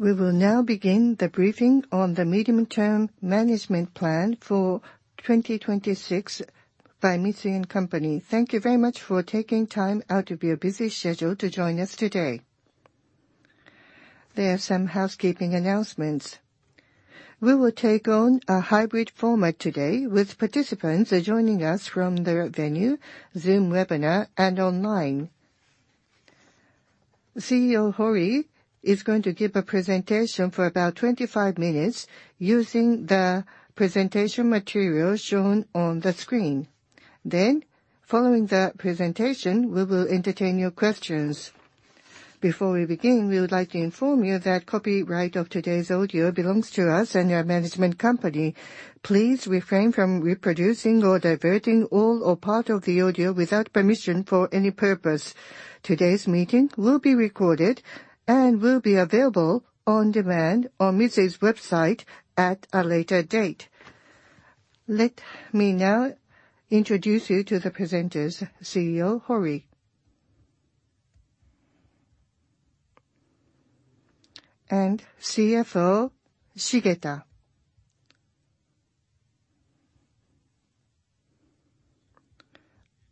We will now begin the briefing on the Medium-term Management Plan for 2026 by Mitsui & Co., Ltd. Thank you very much for taking time out of your busy schedule to join us today. There are some housekeeping announcements. We will take on a hybrid format today with participants joining us from their venue, Zoom webinar, and online. CEO Hori is going to give a presentation for about 25 minutes using the presentation material shown on the screen. Following the presentation, we will entertain your questions. Before we begin, we would like to inform you that copyright of today's audio belongs to us and our management company. Please refrain from reproducing or diverting all or part of the audio without permission for any purpose. Today's meeting will be recorded and will be available on demand on Mitsui's website at a later date. Let me now introduce you to the presenters, CEO Hori. CFO Shigeta.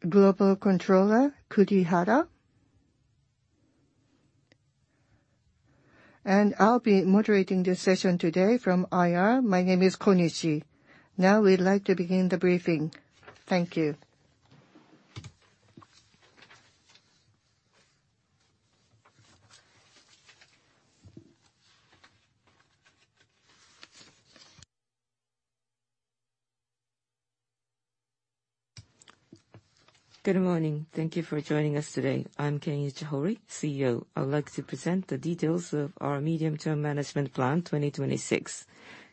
Global Controller Kurihara. I'll be moderating this session today from IR. My name is Konishi. Now we'd like to begin the briefing. Thank you. Good morning. Thank you for joining us today. I'm Kenichi Hori, CEO. I'd like to present the details of our Medium-term Management Plan 2026.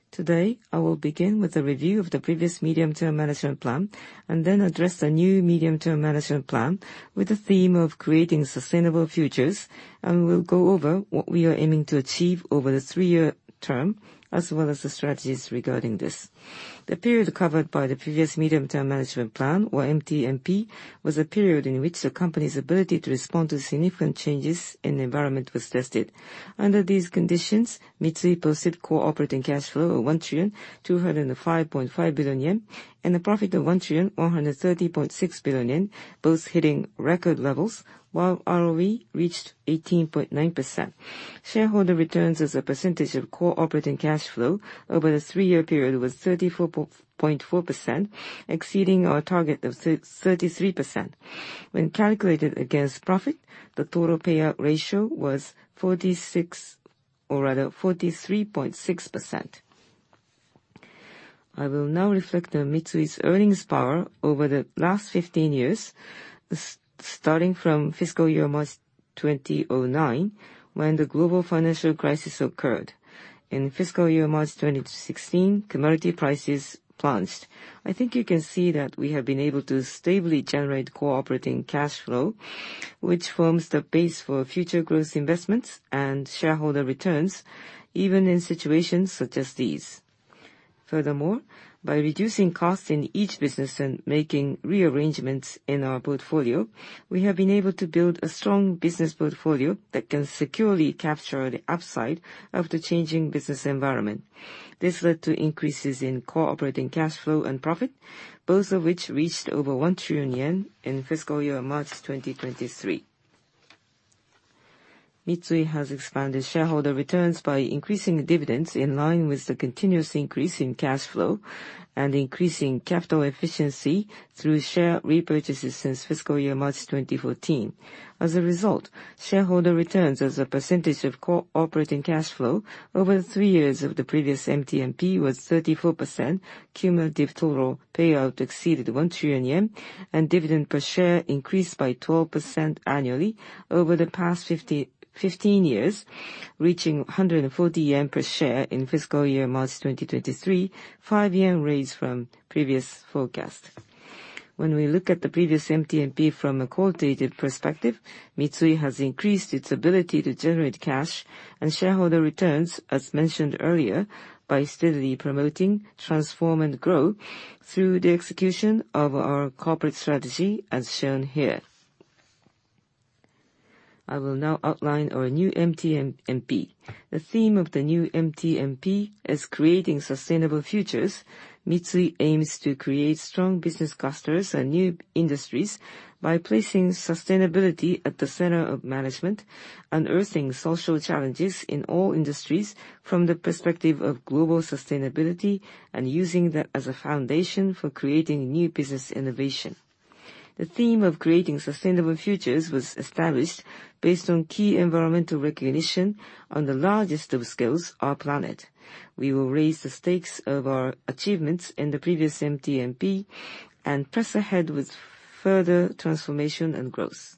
Today, I will begin with a review of the previous Medium-term Management Plan and then address the new Medium-term Management Plan with the theme of Creating Sustainable Futures. We'll go over what we are aiming to achieve over the three-year term, as well as the strategies regarding this. The period covered by the previous Medium-term Management Plan, or MTMP, was a period in which the company's ability to respond to significant changes in the environment was tested. Under these conditions, Mitsui posted Core Operating Cash Flow of 1,205.5 billion yen, and a profit of 1,130.6 billion yen, both hitting record levels, while ROE reached 18.9%. Shareholder returns as a percentage of core operating cash flow over the three year period was 34.4%, exceeding our target of 33%. When calculated against profit, the total payout ratio was 43.6%. I will now reflect on Mitsui's earnings power over the last 15 years, starting from fiscal year March 2009, when the global financial crisis occurred. In fiscal year March 2016, commodity prices plunged. I think you can see that we have been able to stably generate core operating cash flow, which forms the base for future growth investments and shareholder returns, even in situations such as these. Furthermore, by reducing costs in each business and making rearrangements in our portfolio, we have been able to build a strong business portfolio that can securely capture the upside of the changing business environment. This led to increases in Core Operating Cash Flow and profit, both of which reached over 1 trillion yen in fiscal year March 2023. Mitsui has expanded shareholder returns by increasing dividends in line with the continuous increase in cash flow and increasing capital efficiency through share repurchases since fiscal year March 2014. As a result, shareholder returns as a percentage of Core Operating Cash Flow over the three years of the previous MTMP was 34%, cumulative total payout exceeded 1 trillion yen, and dividend per share increased by 12% annually over the past 15 years, reaching 140 yen per share in fiscal year March 2023, 5 yen raise from previous forecast. When we look at the previous MTMP from a qualitative perspective, Mitsui has increased its ability to generate cash and shareholder returns, as mentioned earlier, by steadily promoting transform and grow through the execution of our corporate strategy, as shown here. I will now outline our new MTMP. The theme of the new MTMP is Creating Sustainable Futures. Mitsui aims to create strong business clusters and new industries by placing sustainability at the center of management, unearthing social challenges in all industries from the perspective of global sustainability, and using that as a foundation for creating new business innovation. The theme of Creating Sustainable Futures was established based on key environmental recognition on the largest of scales, our planet. We will raise the stakes of our achievements in the previous MTMP and press ahead with further transformation and growth.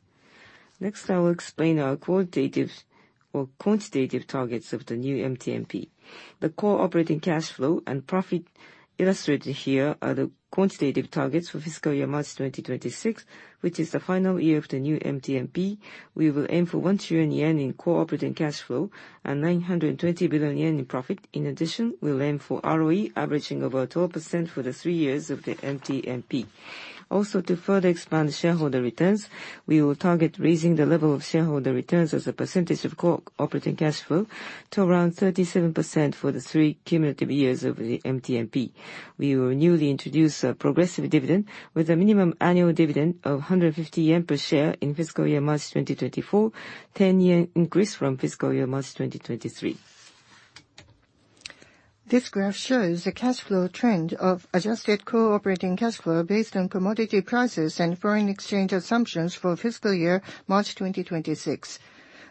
Next, I will explain our quantitative or quantitative targets of the new MTMP. The Core Operating Cash Flow and profit illustrated here are the quantitative targets for fiscal year March 2026, which is the final year of the new MTMP. We will aim for 1 trillion yen in Core Operating Cash Flow and 920 billion yen in profit. In addition, we'll aim for ROE averaging over 12% for the three years of the MTMP. To further expand shareholder returns, we will target raising the level of shareholder returns as a percentage of Core Operating Cash Flow to around 37% for the three cumulative years over the MTMP. We will newly introduce a progressive dividend with a minimum annual dividend of 150 yen per share in fiscal year March 2024, 10 yen increase from fiscal year March 2023. This graph shows the cash flow trend of adjusted Core Operating Cash Flow based on commodity prices and foreign exchange assumptions for fiscal year March 2026.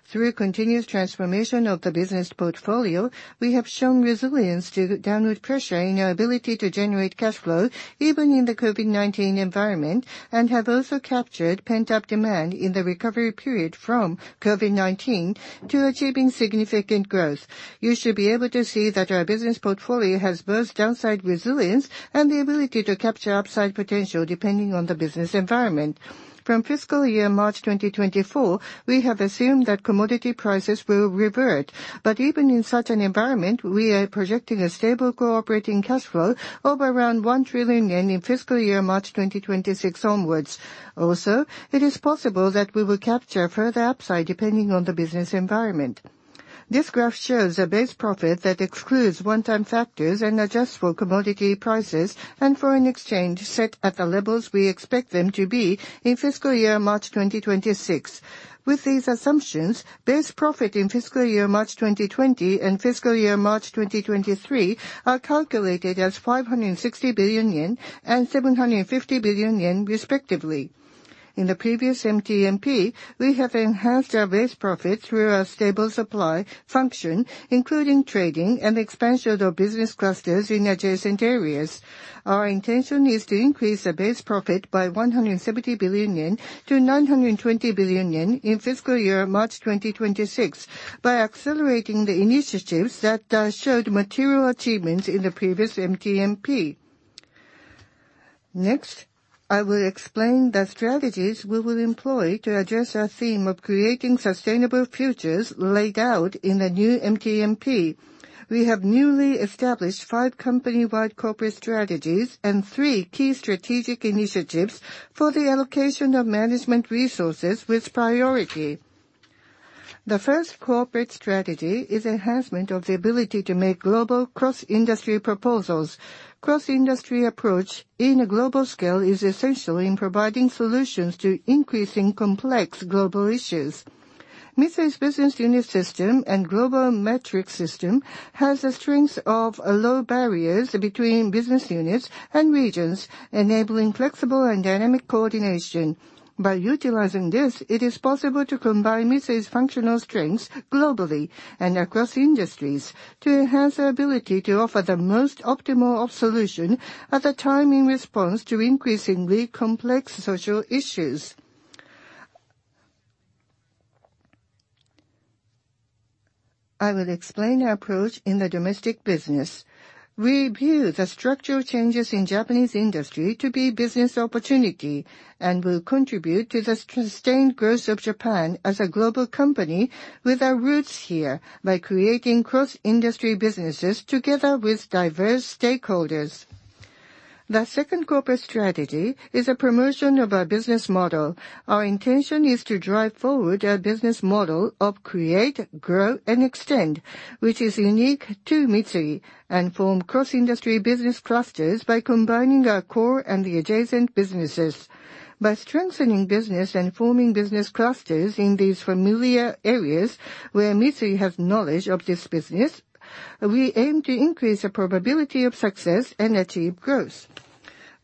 Through continuous transformation of the business portfolio, we have shown resilience to downward pressure in our ability to generate cash flow, even in the COVID-19 environment, have also captured pent-up demand in the recovery period from COVID-19 to achieving significant growth. You should be able to see that our business portfolio has both downside resilience and the ability to capture upside potential depending on the business environment. From fiscal year March 2024, we have assumed that commodity prices will revert, even in such an environment, we are projecting a stable Core Operating Cash Flow of around 1 trillion yen in fiscal year March 2026 onwards. It is possible that we will capture further upside depending on the business environment. This graph shows a base profit that excludes one-time factors and adjusts for commodity prices and foreign exchange set at the levels we expect them to be in fiscal year March 2026. With these assumptions, base profit in fiscal year March 2020 and fiscal year March 2023 are calculated as 560 billion yen and 750 billion yen respectively. In the previous MTMP, we have enhanced our base profit through our stable supply function, including trading and expansion of business clusters in adjacent areas. Our intention is to increase the base profit by 170 billion yen to 920 billion yen in fiscal year March 2026 by accelerating the initiatives that showed material achievements in the previous MTMP. I will explain the strategies we will employ to address our theme of Creating Sustainable Futures laid out in the new MTMP. We have newly established five company-wide corporate strategies and three Key Strategic Initiatives for the allocation of management resources with priority. The first corporate strategy is enhancement of the ability to make global cross-industry proposals. Cross-industry approach in a global scale is essential in providing solutions to increasing complex global issues. Mitsui's business unit system and global metrics system has the strength of low barriers between business units and regions, enabling flexible and dynamic coordination. By utilizing this, it is possible to combine Mitsui's functional strengths globally and across industries to enhance the ability to offer the most optimal solution at the time in response to increasingly complex social issues. I will explain our approach in the domestic business. We view the structural changes in Japanese industry to be business opportunity and will contribute to the sustained growth of Japan as a global company with our roots here by creating cross-industry businesses together with diverse stakeholders. The second corporate strategy is a promotion of our business model. Our intention is to drive forward our business model of Create, Grow, and Extend, which is unique to Mitsui, and form cross-industry business clusters by combining our core and the adjacent businesses. By strengthening business and forming business clusters in these familiar areas where Mitsui has knowledge of this business, we aim to increase the probability of success and achieve growth.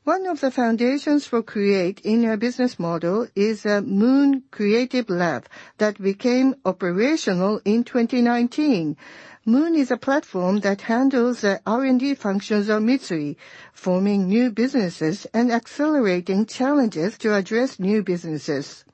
One of the foundations for Create in our business model is a Moon Creative Lab that became operational in 2019. Moon is a platform that handles the R&D functions of Mitsui, forming new businesses and accelerating challenges to address new businesses.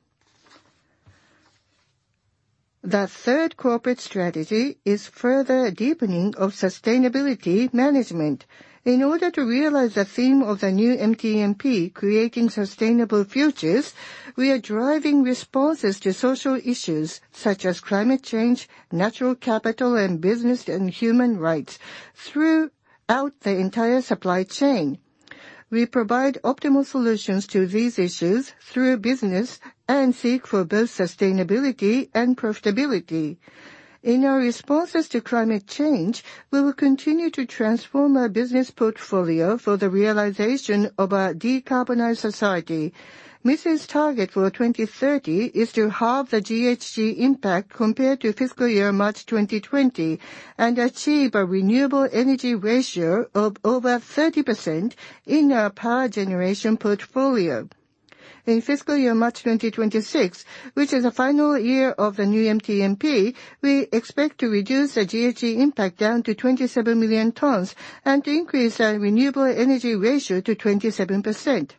The third corporate strategy is further deepening of sustainability management. In order to realize the theme of the new MTMP, Creating Sustainable Futures, we are driving responses to social issues such as climate change, natural capital, and business and human rights throughout the entire supply chain. We provide optimal solutions to these issues through business and seek for both sustainability and profitability. In our responses to climate change, we will continue to transform our business portfolio for the realization of a decarbonized society. Mitsui's target for 2030 is to halve the GHG impact compared to fiscal year March 2020, and achieve a renewable energy ratio of over 30% in our power generation portfolio. In fiscal year March 2026, which is the final year of the new MTMP, we expect to reduce the GHG impact down to 27 million tons and increase our renewable energy ratio to 27%.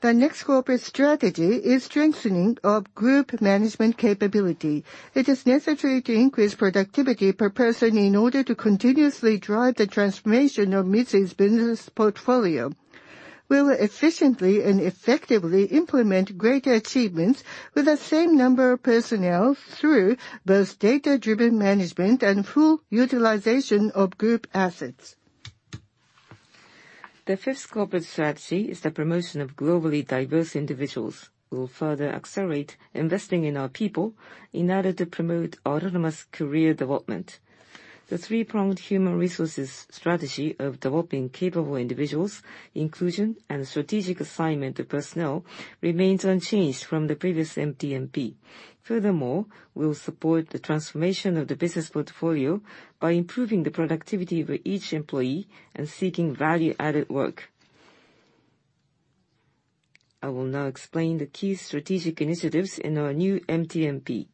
The next corporate strategy is strengthening of group management capability. It is necessary to increase productivity per person in order to continuously drive the transformation of Mitsui's business portfolio. We will efficiently and effectively implement great achievements with the same number of personnel through both data-driven management and full utilization of group assets. The fifth corporate strategy is the promotion of globally diverse individuals. We will further accelerate investing in our people in order to promote autonomous career development. The three pronged human resources strategy of developing capable individuals, inclusion, and strategic assignment of personnel remains unchanged from the previous MTMP. Furthermore, we will support the transformation of the business portfolio by improving the productivity of each employee and seeking value-added work. I will now explain the Key Strategic Initiatives in our new MTMP.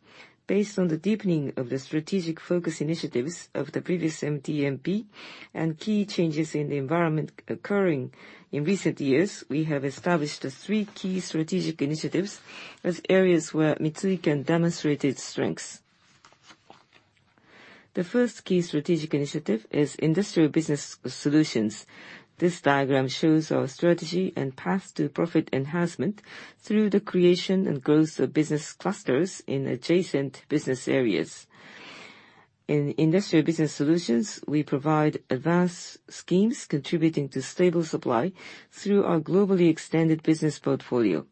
Based on the deepening of the strategic focus initiatives of the previous MTMP and key changes in the environment occurring in recent years, we have established the three Key Strategic Initiatives as areas where Mitsui can demonstrate its strengths. The first Key Strategic Initiative is Industrial Business Solutions. This diagram shows our strategy and path to profit enhancement through the creation and growth of business clusters in adjacent business areas. In Industrial Business Solutions, we provide advanced schemes contributing to stable supply through our globally extended business portfolio.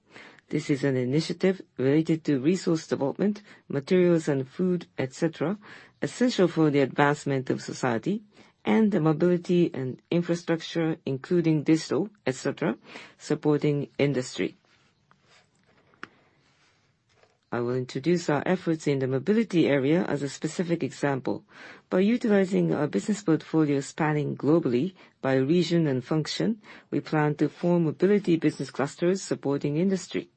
This is an initiative related to resource development, materials and food, etc, essential for the advancement of society, and the mobility and infrastructure, including digital, etc, supporting industry. I will introduce our efforts in the mobility area as a specific example. By utilizing our business portfolio spanning globally by region and function, we plan to form mobility business clusters supporting industry.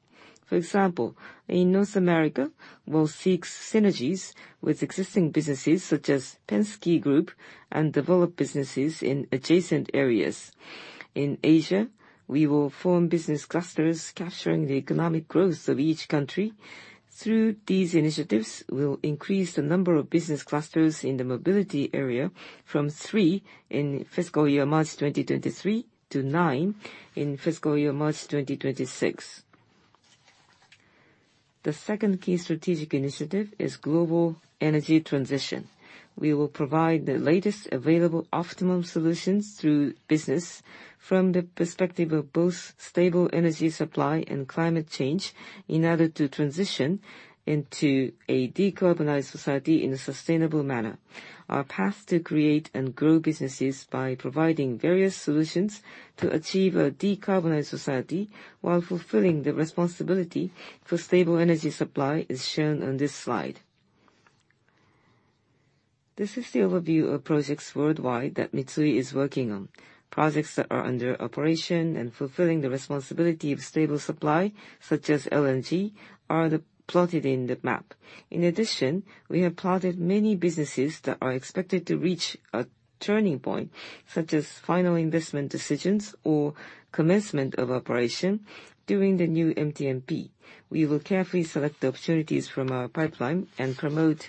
For example, in North America, we'll seek synergies with existing businesses such as Penske Group and develop businesses in adjacent areas. In Asia, we will form business clusters capturing the economic growth of each country. Through these initiatives, we'll increase the number of business clusters in the mobility area from three in fiscal year March 2023 to nine in fiscal year March 2026. The second Key Strategic Initiative is Global Energy Transition. We will provide the latest available optimum solutions through business from the perspective of both stable energy supply and climate change in order to transition into a decarbonized society in a sustainable manner. Our path to create and grow businesses by providing various solutions to achieve a decarbonized society while fulfilling the responsibility for stable energy supply is shown on this slide. This is the overview of projects worldwide that Mitsui is working on. Projects that are under operation and fulfilling the responsibility of stable supply, such as LNG, are plotted in the map. In addition, we have plotted many businesses that are expected to reach a turning point, such as final investment decisions or commencement of operation during the new MTMP. We will carefully select the opportunities from our pipeline and promote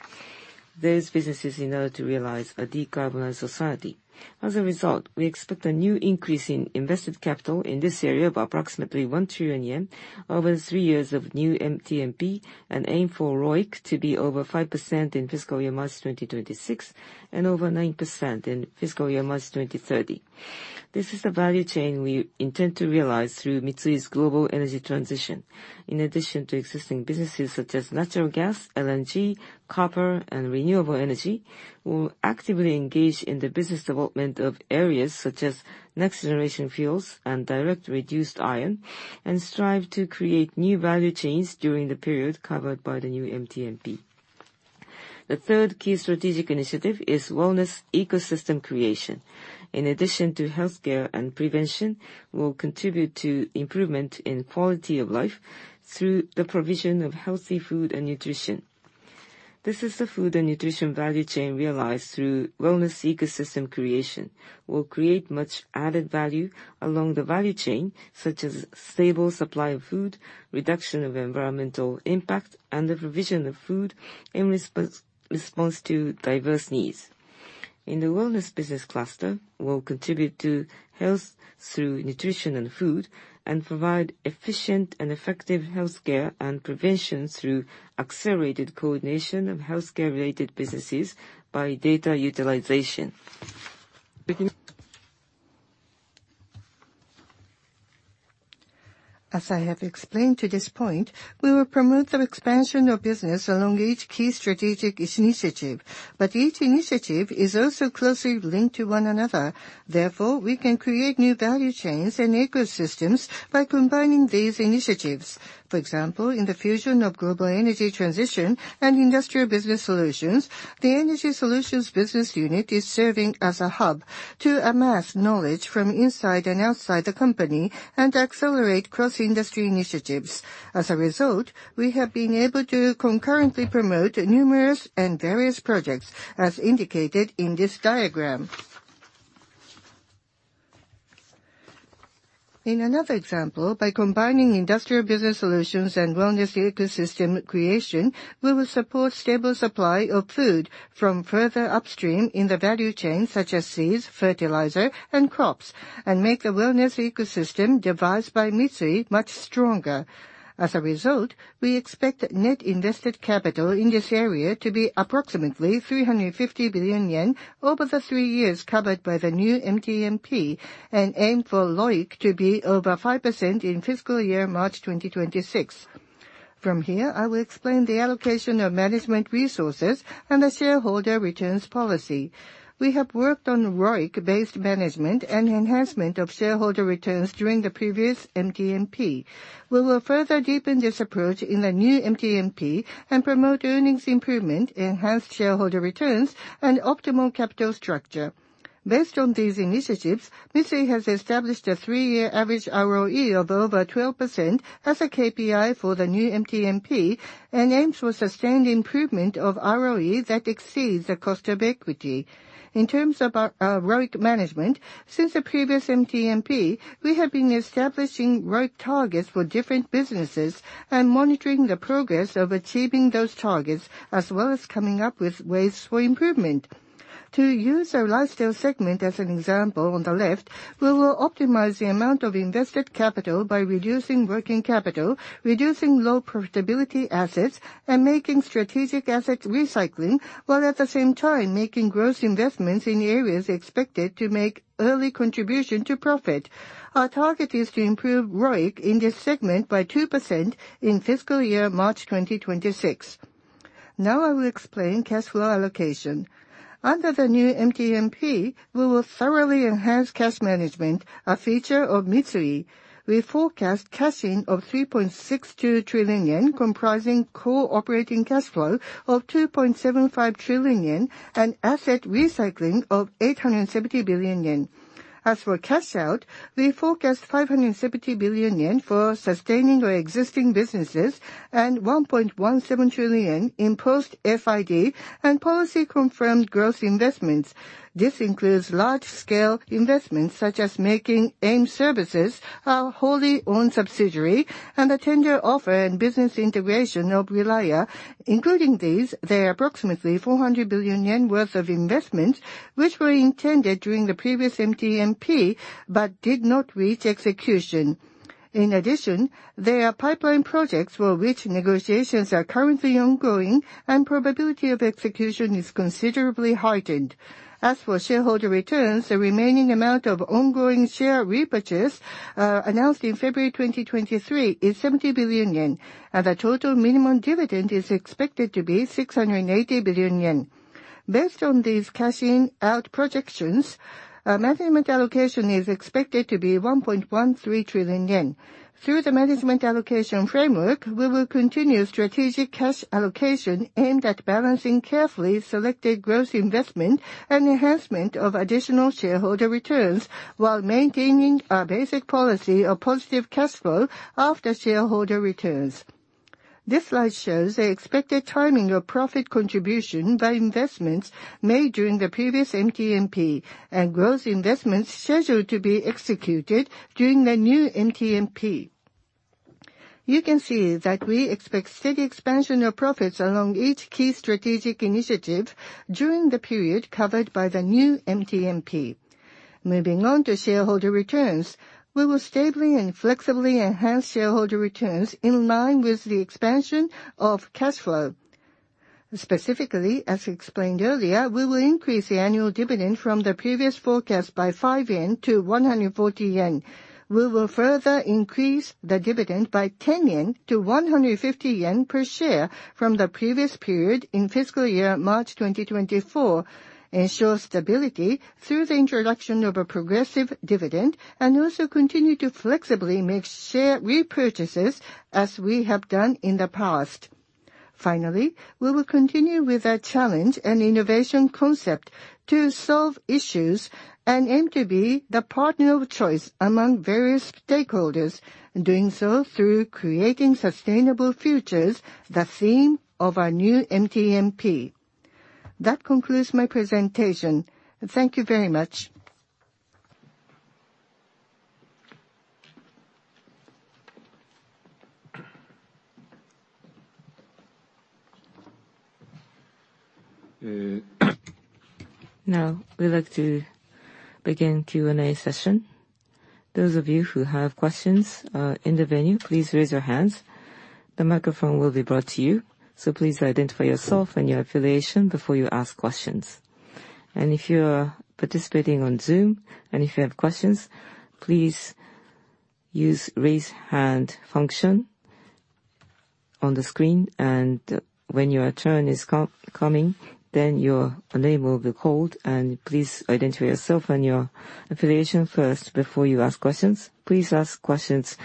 those businesses in order to realize a decarbonized society. As a result, we expect a new increase in invested capital in this area of approximately 1 trillion yen over the three years of new MTMP and aim for ROIC to be over 5% in fiscal year March 2026 and over 9% in fiscal year March 2030. This is the value chain we intend to realize through Mitsui's Global Energy Transition. In addition to existing businesses such as natural gas, LNG, copper, and renewable energy, we'll actively engage in the business development of areas such as next-generation fuels and direct reduced iron and strive to create new value chains during the period covered by the new MTMP. The third Key Strategic Initiative is Wellness Ecosystem Creation. In addition to healthcare and prevention, we'll contribute to improvement in quality of life through the provision of healthy food and nutrition. This is the food and nutrition value chain realized through Wellness Ecosystem Creation. We'll create much added value along the value chain, such as stable supply of food, reduction of environmental impact, and the provision of food in response to diverse needs. In the wellness business cluster, we'll contribute to health through nutrition and food and provide efficient and effective healthcare and prevention through accelerated coordination of healthcare-related businesses by data utilization. As I have explained to this point, we will promote the expansion of business along each Key Strategic Initiative, but each initiative is also closely linked to one another. Therefore, we can create new value chains and ecosystems by combining these initiatives. For example, in the fusion of Global Energy Transition and Industrial Business Solutions, the energy solutions business unit is serving as a hub to amass knowledge from inside and outside the company and accelerate cross-industry initiatives. As a result, we have been able to concurrently promote numerous and various projects as indicated in this diagram. In another example, by combining Industrial Business Solutions and Wellness Ecosystem Creation, we will support stable supply of food from further upstream in the value chain such as seeds, fertilizer, and crops, and make the Wellness Ecosystem Creation devised by Mitsui much stronger. As a result, we expect net invested capital in this area to be approximately 350 billion yen over the three years covered by the new MTMP, and aim for ROIC to be over 5% in fiscal year March 2026. From here, I will explain the allocation of management resources and the shareholder returns policy. We have worked on ROIC-based management and enhancement of shareholder returns during the previous MTMP. We will further deepen this approach in the new MTMP and promote earnings improvement, enhanced shareholder returns, and optimal capital structure. Based on these initiatives, Mitsui has established a three year average ROE of over 12% as a KPI for the new MTMP, and aims for sustained improvement of ROE that exceeds the cost of equity. In terms of our ROIC management, since the previous MTMP, we have been establishing ROIC targets for different businesses and monitoring the progress of achieving those targets, as well as coming up with ways for improvement. To use our lifestyle segment as an example on the left, we will optimize the amount of invested capital by reducing working capital, reducing low profitability assets, and making strategic asset recycling, while at the same time making gross investments in areas expected to make early contribution to profit. Our target is to improve ROIC in this segment by 2% in fiscal year March 2026. I will explain cash flow allocation. Under the new MTMP, we will thoroughly enhance cash management, a feature of Mitsui. We forecast cash in of 3.62 trillion yen, comprising core operating cash flow of 2.75 trillion yen and asset recycling of 870 billion yen. As for cash out, we forecast 570 billion yen for sustaining our existing businesses and 1.17 trillion yen in post FID and policy-confirmed growth investments. This includes large-scale investments such as making Aim Services our wholly owned subsidiary and the tender offer and business integration of Relia. Including these, there are approximately 400 billion yen worth of investments which were intended during the previous MTMP but did not reach execution. In addition, there are pipeline projects for which negotiations are currently ongoing and probability of execution is considerably heightened. As for shareholder returns, the remaining amount of ongoing share repurchase, announced in February 2023 is 70 billion yen, and the total minimum dividend is expected to be 680 billion yen. Based on these cash in, out projections, our Management Allocation is expected to be 1.13 trillion yen. Through the Management Allocation framework, we will continue strategic cash allocation aimed at balancing carefully selected growth investment and enhancement of additional shareholder returns while maintaining our basic policy of positive cash flow after shareholder returns. This slide shows the expected timing of profit contribution by investments made during the previous MTMP and growth investments scheduled to be executed during the new MTMP. You can see that we expect steady expansion of profits along each Key Strategic Initiative during the period covered by the new MTMP. Moving on to shareholder returns. We will stably and flexibly enhance shareholder returns in line with the expansion of cash flow. Specifically, as explained earlier, we will increase the annual dividend from the previous forecast by 5 yen to 140 yen. We will further increase the dividend by 10 yen to 150 yen per share from the previous period in fiscal year March 2024, ensure stability through the introduction of a progressive dividend, and also continue to flexibly make share repurchases as we have done in the past. We will continue with our challenge and innovation concept to solve issues and aim to be the partner of choice among various stakeholders, doing so through Creating Sustainable Futures, the theme of our new MTMP. That concludes my presentation. Thank you very much. Now we'd like to begin Q&A session. Those of you who have questions, in the venue, please raise your hands. The microphone will be brought to you, so please identify yourself and your affiliation before you ask questions. If you are participating on Zoom, if you have questions, please use Raise Hand function on the screen. When your turn is coming, your name will be called, and please identify yourself and your affiliation first before you ask questions. Please ask questions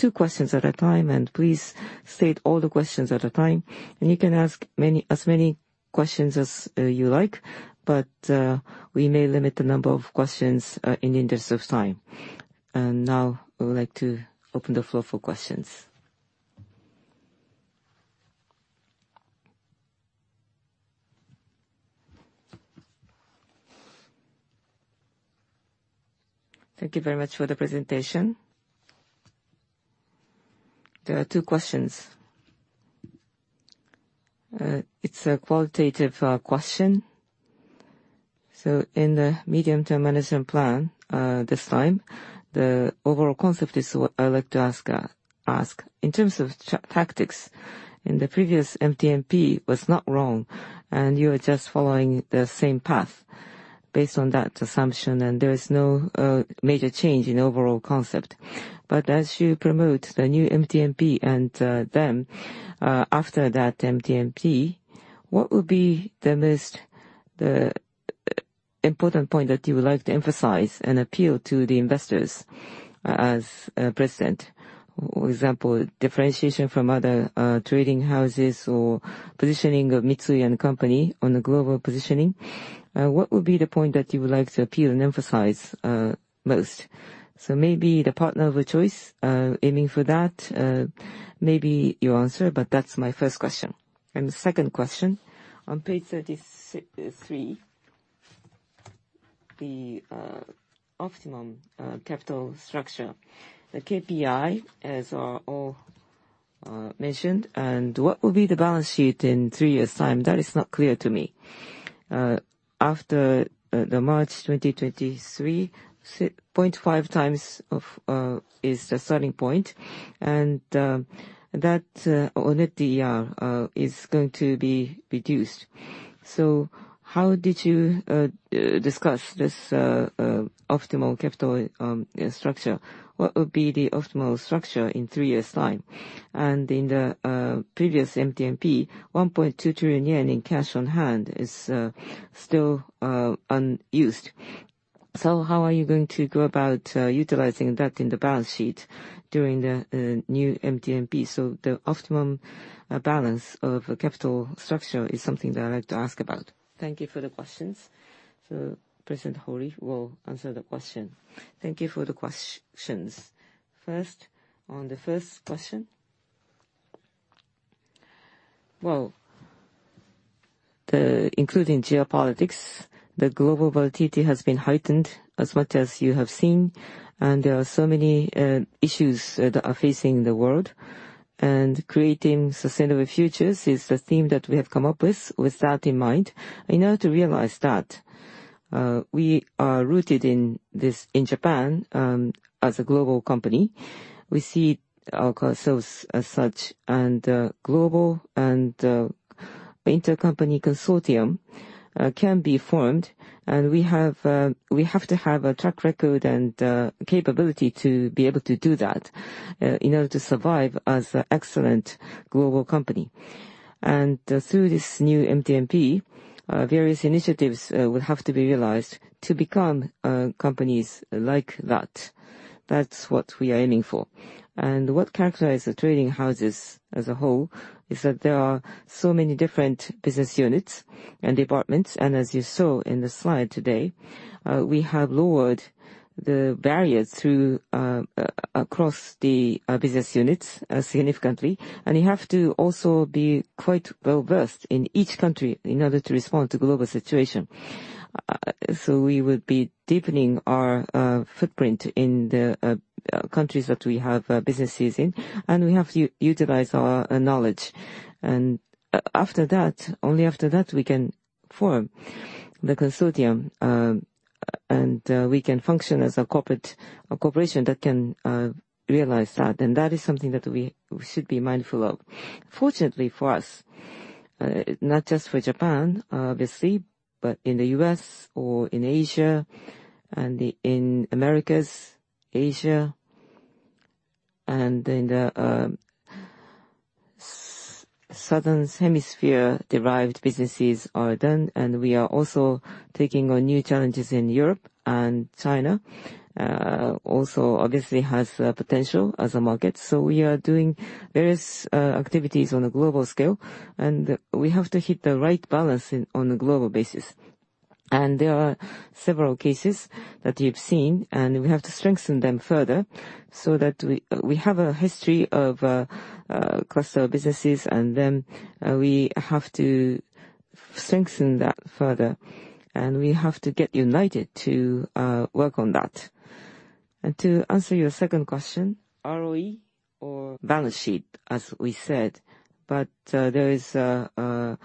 two questions at a time, and please state all the questions at a time. You can ask many, as many questions as you like, but, we may limit the number of questions, in the interest of time. Now I would like to open the floor for questions. Thank you very much for the presentation. There are two questions. It's a qualitative question. In the Medium-term Management Plan, this time, the overall concept is what I'd like to ask. In terms of tactics in the previous MTMP was not wrong, and you are just following the same path based on that assumption, and there is no major change in overall concept. As you promote the new MTMP and them after that MTMP, what would be the most important point that you would like to emphasize and appeal to the investors as President? For example, differentiation from other trading houses or positioning of Mitsui & Co. on a global positioning. What would be the point that you would like to appeal and emphasize most? Maybe the partner of choice, aiming for that, may be your answer, but that's my first question. The second question, on page 33, the optimum capital structure. The KPI, as are all mentioned, what will be the balance sheet in three years' time? That is not clear to me. After the March 2023, 0.5 times of is the starting point and that on FDR is going to be reduced. How did you discuss this optimal capital structure? What would be the optimal structure in three years' time? In the previous MTMP, 1.2 trillion yen in cash on hand is still unused. How are you going to go about utilizing that in the balance sheet during the new MTMP? The optimum balance of capital structure is something that I'd like to ask about. Thank you for the questions. President Hori will answer the question. Thank you for the questions. First, on the first question. Well, the, including geopolitics, the global volatility has been heightened as much as you have seen, and there are so many issues that are facing the world. Creating Sustainable Futures is the theme that we have come up with that in mind. In order to realize that, we are rooted in this, in Japan, as a global company. We see ourselves as such, and global and intercompany consortium can be formed. We have to have a track record and capability to be able to do that, in order to survive as an excellent global company. Through this new MTMP, various initiatives, will have to be realized to become companies like that. That's what we are aiming for. What characterizes the trading houses as a whole is that there are so many different business units and departments, and as you saw in the slide today, we have lowered the barriers through across the business units significantly. You have to also be quite well-versed in each country in order to respond to global situation. We will be deepening our footprint in the countries that we have businesses in, and we have to utilize our knowledge. After that, only after that, we can form the consortium, and we can function as a corporation that can realize that, and that is something that we should be mindful of. Fortunately for us, not just for Japan, obviously, but in the U.S. or in Asia and the, in Americas, Asia, and in the southern hemisphere-derived businesses are done, and we are also taking on new challenges in Europe and China also obviously has the potential as a market. We are doing various activities on a global scale, and we have to hit the right balance in, on a global basis. There are several cases that you've seen, and we have to strengthen them further so that we have a history of cluster of businesses and then we have to strengthen that further, and we have to get united to work on that. To answer your second question, ROE or balance sheet, as we said, but there is an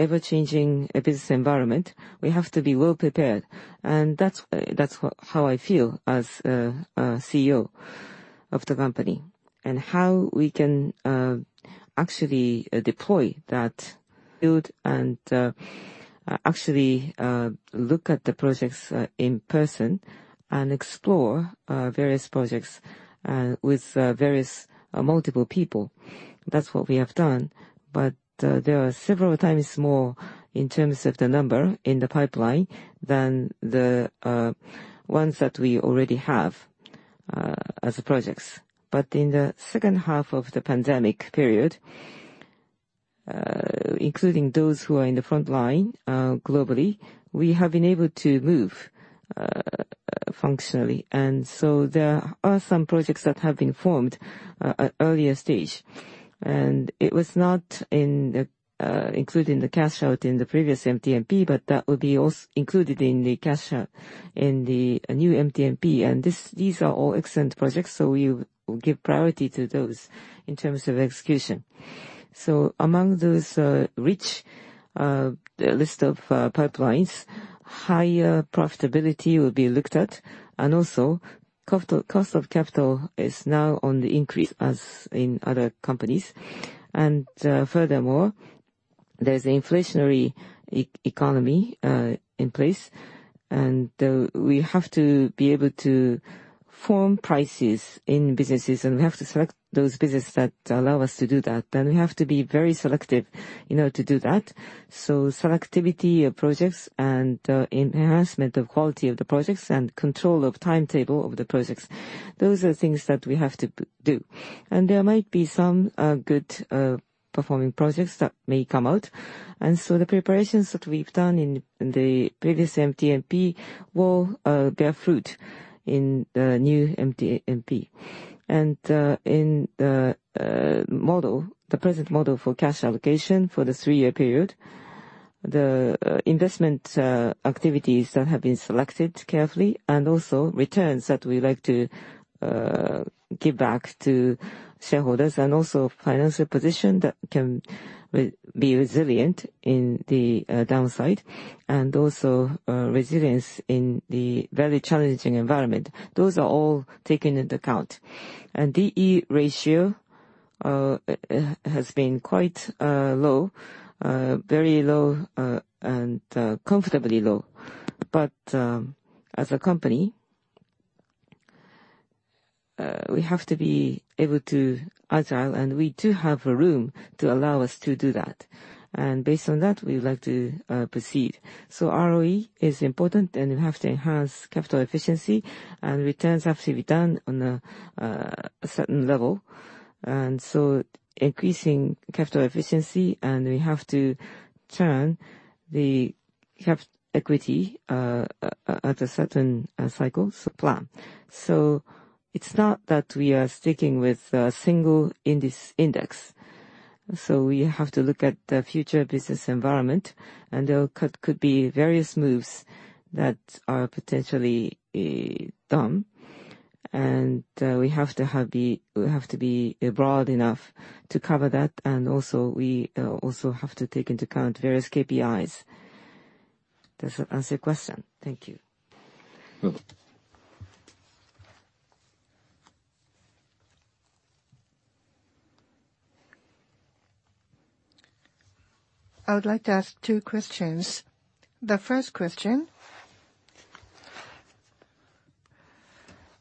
ever-changing business environment. We have to be well prepared. That's how I feel as CEO of the company, and how we can actually deploy that build and actually look at the projects in person and explore various projects with various multiple people. That's what we have done. There are several times more in terms of the number in the pipeline than the ones that we already have as projects. In the second half of the pandemic period, including those who are in the front line, globally, we have been able to move functionally. There are some projects that have been formed at earlier stage. It was not in the including the cash out in the previous MTMP, but that will be included in the cash out in the new MTMP. These are all excellent projects, so we will give priority to those in terms of execution. Among those rich list of pipelines, higher profitability will be looked at, and also capital, cost of capital is now on the increase as in other companies. Furthermore, there's inflationary economy in place. We have to be able to form prices in businesses, and we have to select those business that allow us to do that. We have to be very selective, you know, to do that. Selectivity of projects and enhancement of quality of the projects and control of timetable of the projects, those are things that we have to do. There might be some good performing projects that may come out. The preparations that we've done in the previous MTMP will bear fruit in the new MTMP. In the model, the present model for cash allocation for the three year period, the investment activities that have been selected carefully and also returns that we like to give back to shareholders, and also financial position that can be resilient in the downside, and also resilience in the very challenging environment. Those are all taken into account. D/E ratio has been quite low, very low, and comfortably low. As a company, we have to be able to agile, and we do have room to allow us to do that. Based on that, we would like to proceed. ROE is important, and we have to enhance capital efficiency, and returns have to be done on a certain level. Increasing capital efficiency, and we have to turn the cap equity at a certain cycle, so plan. It's not that we are sticking with a single index. We have to look at the future business environment, and there could be various moves that are potentially done. We have to be broad enough to cover that. Also, we also have to take into account various KPIs. Does that answer your question? Thank you. I would like to ask two questions. The first question,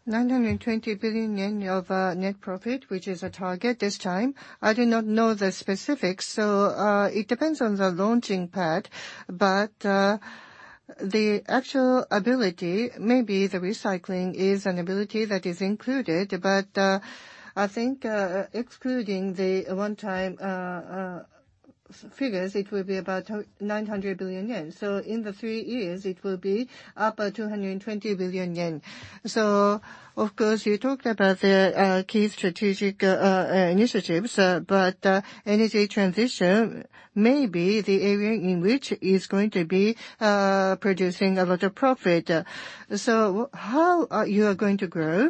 920 billion yen of net profit, which is a target this time, I do not know the specifics, it depends on the launching pad. The actual ability, maybe the recycling is an ability that is included. I think excluding the one-time figures, it will be about 900 billion yen. In the three years, it will be up 220 billion yen. Of course, you talked about the Key Strategic Initiatives. Energy Transition may be the area in which is going to be producing a lot of profit. How are you going to grow?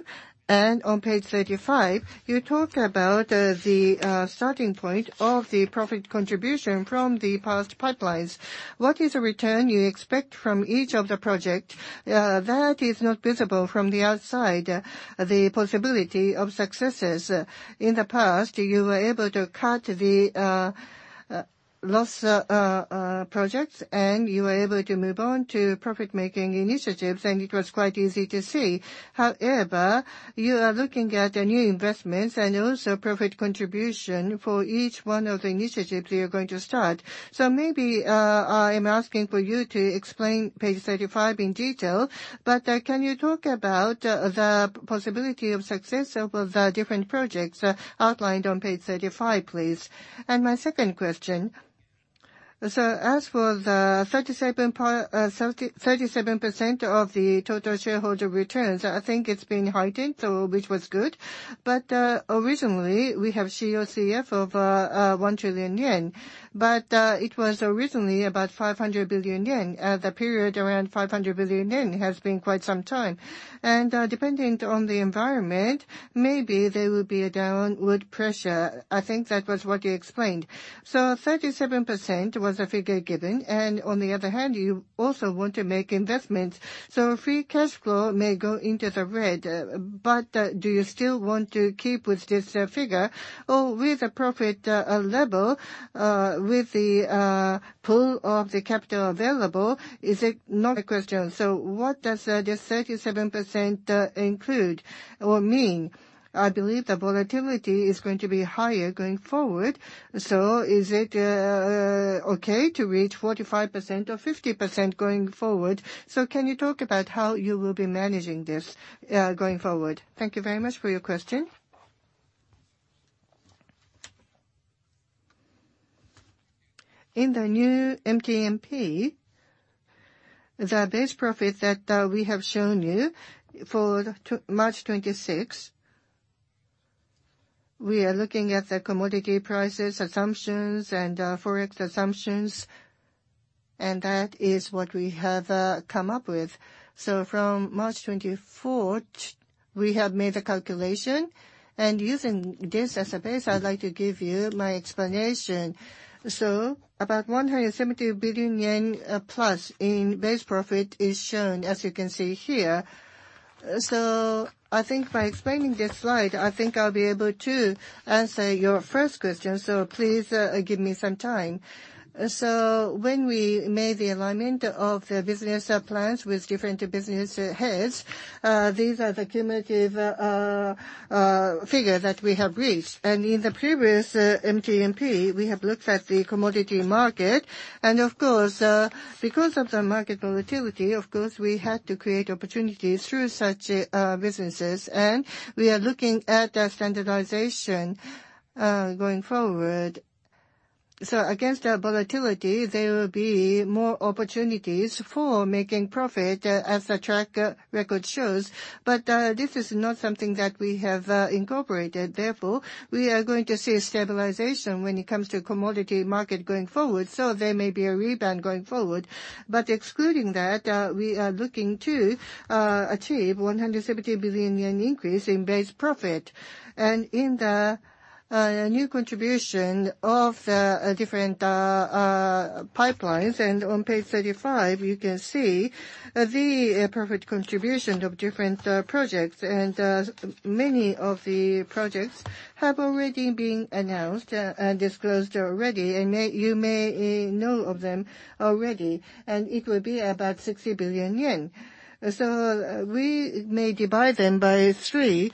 On page 35, you talk about the starting point of the profit contribution from the past pipelines. What is the return you expect from each of the project? That is not visible from the outside, the possibility of successes. In the past, you were able to cut the loss projects, and you were able to move on to profit-making initiatives, and it was quite easy to see. However, you are looking at the new investments and also profit contribution for each one of the initiatives you're going to start. Maybe, I'm asking for you to explain page 35 in detail, but can you talk about the possibility of success of the different projects outlined on page 35, please? My second question. As for the 37% of the total shareholder returns, I think it's been heightened, so which was good. Originally, we have COCF of 1 trillion yen. It was originally about 500 billion yen. The period around 500 billion yen has been quite some time. Depending on the environment, maybe there will be a downward pressure. I think that was what you explained. 37% was the figure given. On the other hand, you also want to make investments. Free cash flow may go into the red, but, do you still want to keep with this figure? Or with the profit level, with the pool of the capital available, is it not a question? What does this 37% include or mean? I believe the volatility is going to be higher going forward. Is it okay to reach 45% or 50% going forward? Can you talk about how you will be managing this going forward? Thank you very much for your question. In the new MTMP, the base profit that we have shown you for March 2026, we are looking at the commodity prices assumptions and Forex assumptions, and that is what we have come up with. From March 24th, we have made the calculation. Using this as a base, I'd like to give you my explanation. About 170 billion yen plus in base profit is shown, as you can see here. I think by explaining this slide, I think I'll be able to answer your first question. Please give me some time. When we made the alignment of the business plans with different business heads, these are the cumulative figure that we have reached. In the previous MTMP, we have looked at the commodity market. Of course, because of the market volatility, of course, we had to create opportunities through such businesses. We are looking at standardization going forward. Against our volatility, there will be more opportunities for making profit as the track record shows. This is not something that we have incorporated. Therefore, we are going to see a stabilization when it comes to commodity market going forward. There may be a rebound going forward. Excluding that, we are looking to achieve 170 billion yen increase in base profit. In the new contribution of the different pipelines, and on page 35, you can see the profit contributions of different projects. Many of the projects have already been announced and disclosed already, and may... You may know of them already. It will be about 60 billion yen. We may divide them by three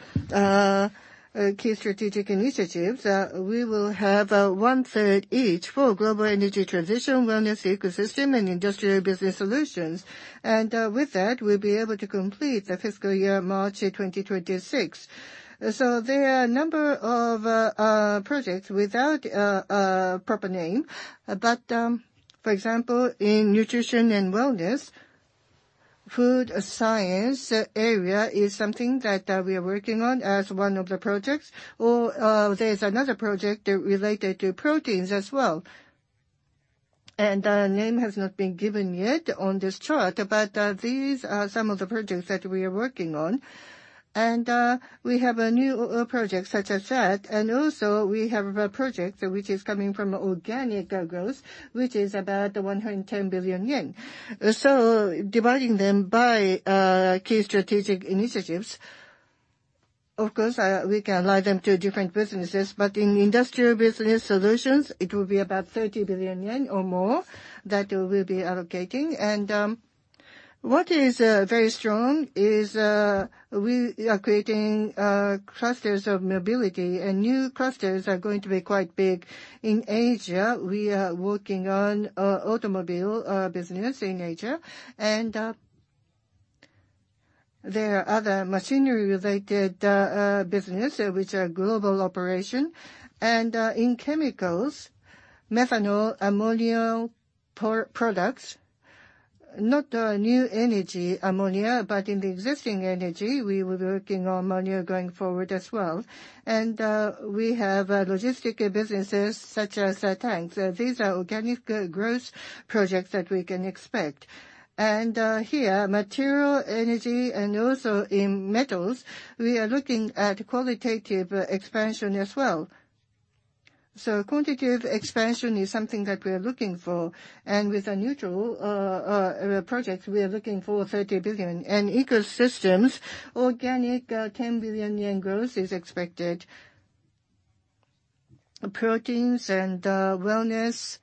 Key Strategic Initiatives. We will have 1/3 each for Global Energy Transition, Wellness Ecosystem, and Industrial Business Solutions. With that, we'll be able to complete the fiscal year March 2026. There are a number of projects without a proper name. For example, in nutrition and wellness, food science area is something that we are working on as one of the projects. There's another project related to proteins as well. A name has not been given yet on this chart, but these are some of the projects that we are working on. We have a new project such as that, and also we have a project which is coming from organic growth, which is about 110 billion yen. Dividing them by Key Strategic Initiatives, of course, we can align them to different businesses. In Industrial Business Solutions, it will be about 30 billion yen or more that we'll be allocating. What is very strong is we are creating clusters of mobility, and new clusters are going to be quite big. In Asia, we are working on automobile business in Asia. There are other machinery related business which are global operation. In chemicals, methanol, ammonia products, not new energy ammonia, but in the existing energy, we will be working on ammonia going forward as well. We have logistic businesses such as tanks. These are organic growth projects that we can expect. Here, material energy and also in metals, we are looking at qualitative expansion as well. Quantitative expansion is something that we're looking for. With the neutral projects, we are looking for 30 billion. In ecosystems, organic 10 billion yen growth is expected. Proteins and wellness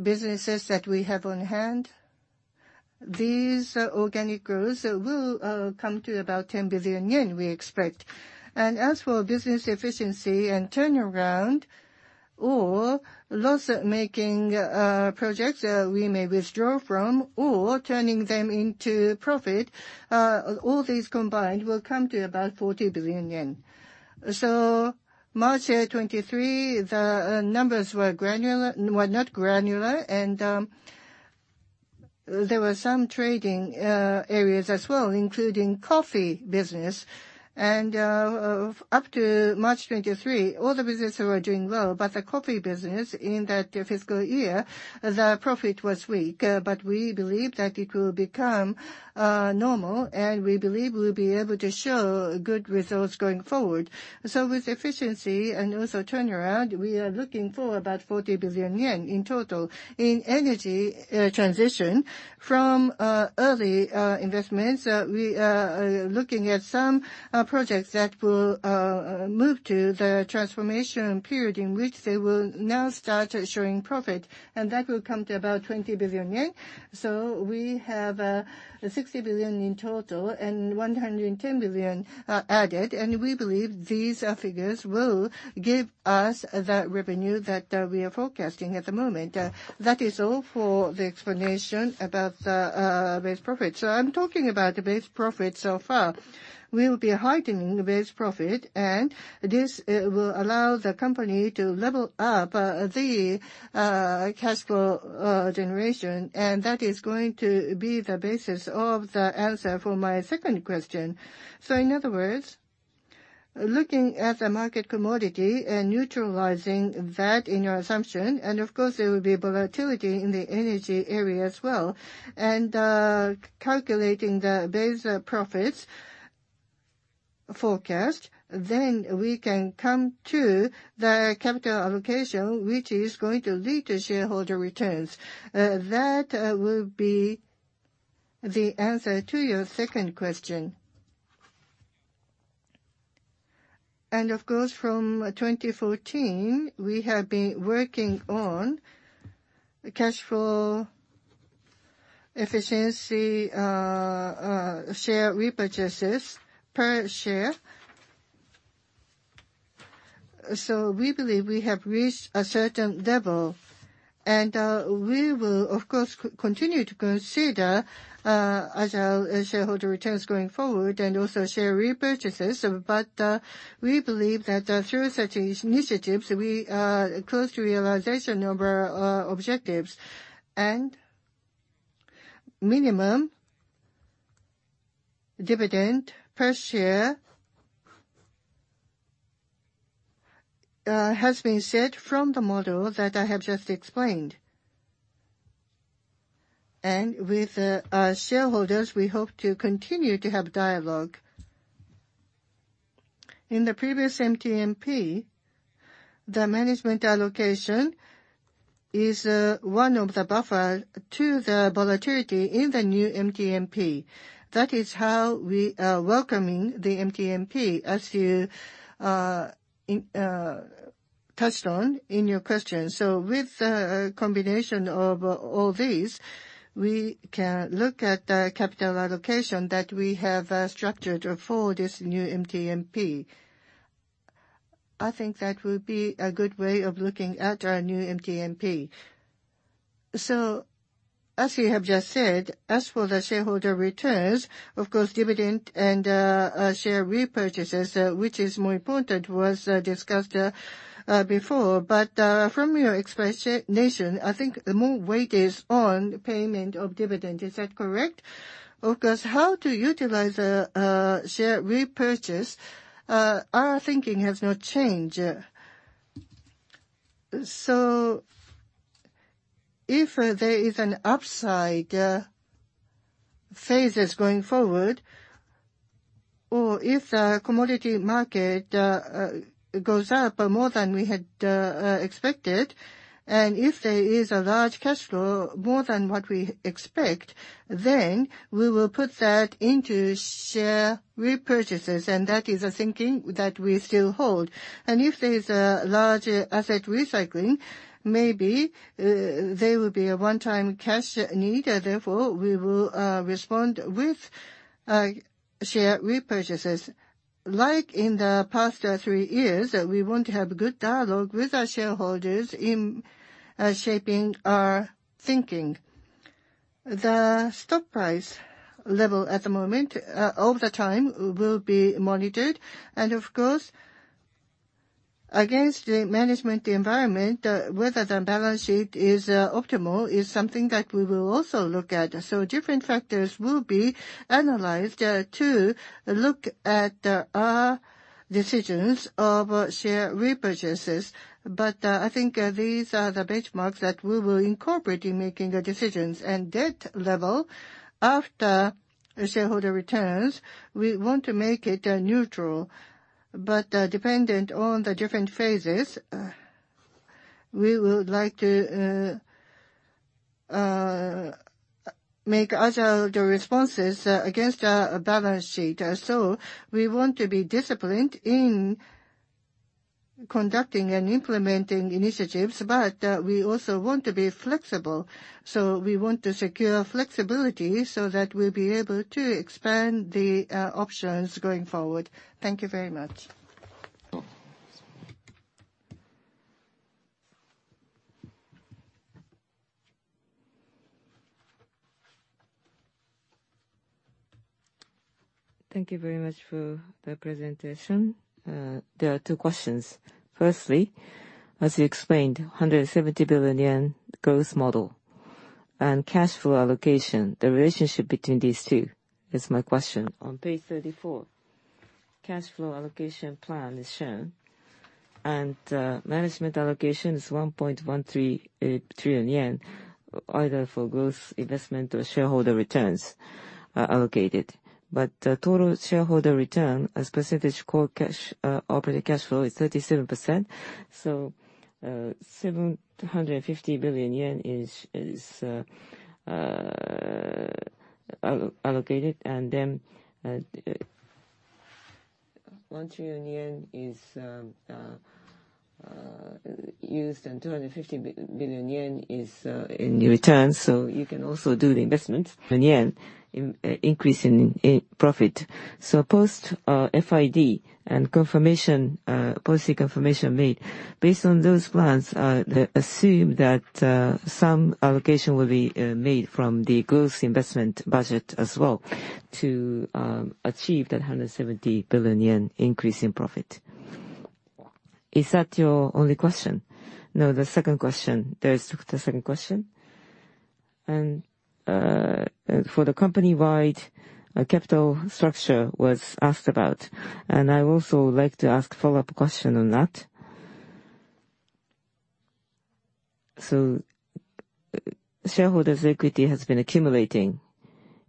businesses that we have on hand, these organic growth will come to about 10 billion yen, we expect. As for business efficiency and turnaround or loss-making projects, we may withdraw from or turning them into profit, all these combined will come to about 40 billion yen. March 2023, the numbers were not granular, and there were some trading areas as well, including coffee business. Up to March 2023, all the business were doing well, but the coffee business in that fiscal year, the profit was weak. We believe that it will become normal, and we believe we'll be able to show good results going forward. With efficiency and also turnaround, we are looking for about 40 billion yen in total. In energy transition from early investments, we are looking at some projects that will move to the transformation period in which they will now start showing profit, and that will come to about 20 billion yen. We have 60 billion in total and 110 billion added. We believe these figures will give us the revenue that we are forecasting at the moment. That is all for the explanation about the base profit. I'm talking about the base profit so far. We'll be heightening the base profit, and this will allow the company to level up the cash flow generation, and that is going to be the basis of the answer for my second question. In other words, looking at the market commodity and neutralizing that in your assumption, and of course there will be volatility in the energy area as well. Calculating the base profits forecast, then we can come to the capital allocation, which is going to lead to shareholder returns. That will be the answer to your second question. Of course, from 2014, we have been working on the cash flow efficiency, share repurchases per share. We believe we have reached a certain level. We will of course continue to consider as our shareholder returns going forward and also share repurchases. We believe that, through such initiatives, we are close to realization of our objectives. Minimum dividend per share has been set from the model that I have just explained. With our shareholders, we hope to continue to have dialogue. In the previous MTMP, the Management Allocation is one of the buffer to the volatility in the new MTMP. That is how we are welcoming the MTMP, as you touched on in your question. With the combination of all these, we can look at the capital allocation that we have structured for this new MTMP. I think that would be a good way of looking at our new MTMP. As we have just said, as for the shareholder returns, of course, dividend and share repurchases, which is more important, was discussed before. From your explanation, I think more weight is on payment of dividend. Is that correct? Of course, how to utilize share repurchase, our thinking has not changed. If there is an upside phases going forward, or if the commodity market goes up more than we had expected, and if there is a large cash flow more than what we expect, then we will put that into share repurchases, and that is a thinking that we still hold. If there is a large asset recycling, maybe there will be a one-time cash need, therefore, we will respond with share repurchases. Like in the past, three years, we want to have good dialogue with our shareholders in shaping our thinking. The stock price level at the moment, over the time will be monitored, and of course, against the management environment, whether the balance sheet is optimal is something that we will also look at. Different factors will be analyzed, to look at, decisions of share repurchases. I think these are the benchmarks that we will incorporate in making the decisions. Debt level, after shareholder returns, we want to make it neutral. Dependent on the different phases, we would like to make other responses against our balance sheet. We want to be disciplined in conducting and implementing initiatives, but we also want to be flexible. We want to secure flexibility so that we'll be able to expand the options going forward. Thank you very much. Thank you very much for the presentation. There are two questions. Firstly, as you explained, 170 billion yen growth model and cash flow allocation, the relationship between these two is my question. On page 34, cash flow allocation plan is shown, management allocation is 1.13 trillion yen, either for growth investment or shareholder returns allocated. Total shareholder return as percentage core cash Operating Cash Flow is 37%. 750 billion yen is allocated, 1 trillion yen is used, and 250 billion yen is in returns. You can also do the investment yen in increase in profit. Post FID and confirmation, policy confirmation made based on those plans, assume that some allocation will be made from the growth investment budget as well to achieve that 170 billion yen increase in profit. Is that your only question? The second question. There is the second question. For the company-wide capital structure was asked about, and I also would like to ask follow-up question on that. Shareholders' equity has been accumulating,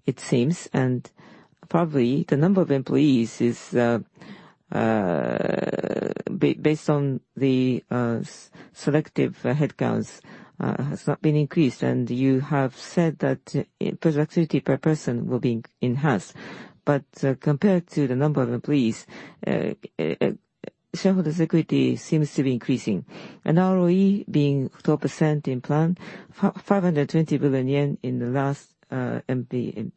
it seems, and probably the number of employees is based on the selective headcounts has not been increased. You have said that productivity per person will be enhanced. Compared to the number of employees, shareholders' equity seems to be increasing. ROE being 12% in plan, 520 billion yen in the last MP,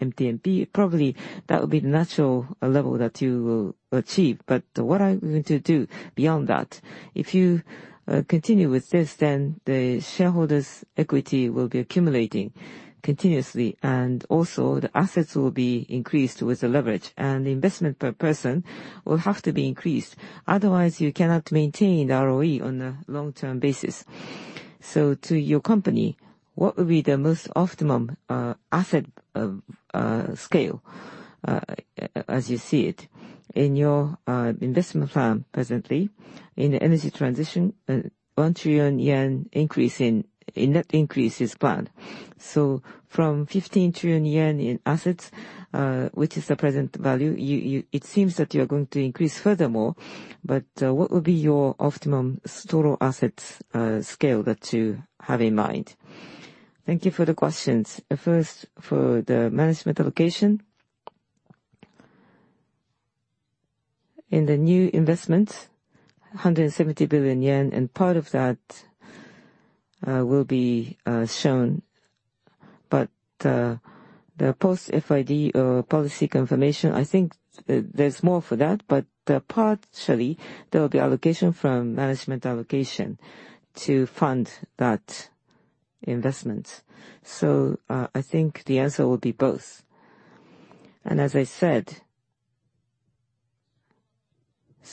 MTMP, probably that would be the natural level that you will achieve. What are we going to do beyond that? If you continue with this, then the shareholders' equity will be accumulating continuously, and also the assets will be increased with the leverage. The investment per person will have to be increased, otherwise you cannot maintain ROE on a long-term basis. To your company, what would be the most optimum asset scale as you see it? In your investment plan presently in the energy transition, 1 trillion yen increase in net increase is planned. From 15 trillion yen in assets, which is the present value, it seems that you're going to increase furthermore, what would be your optimum total assets, scale that you have in mind? Thank you for the questions. First, for the Management Allocation. In the new investment, 170 billion yen, and part of that, will be shown. The post FID, policy confirmation, I think there's more for that, but partially there will be allocation from Management Allocation to fund that investment. I think the answer will be both. As I said,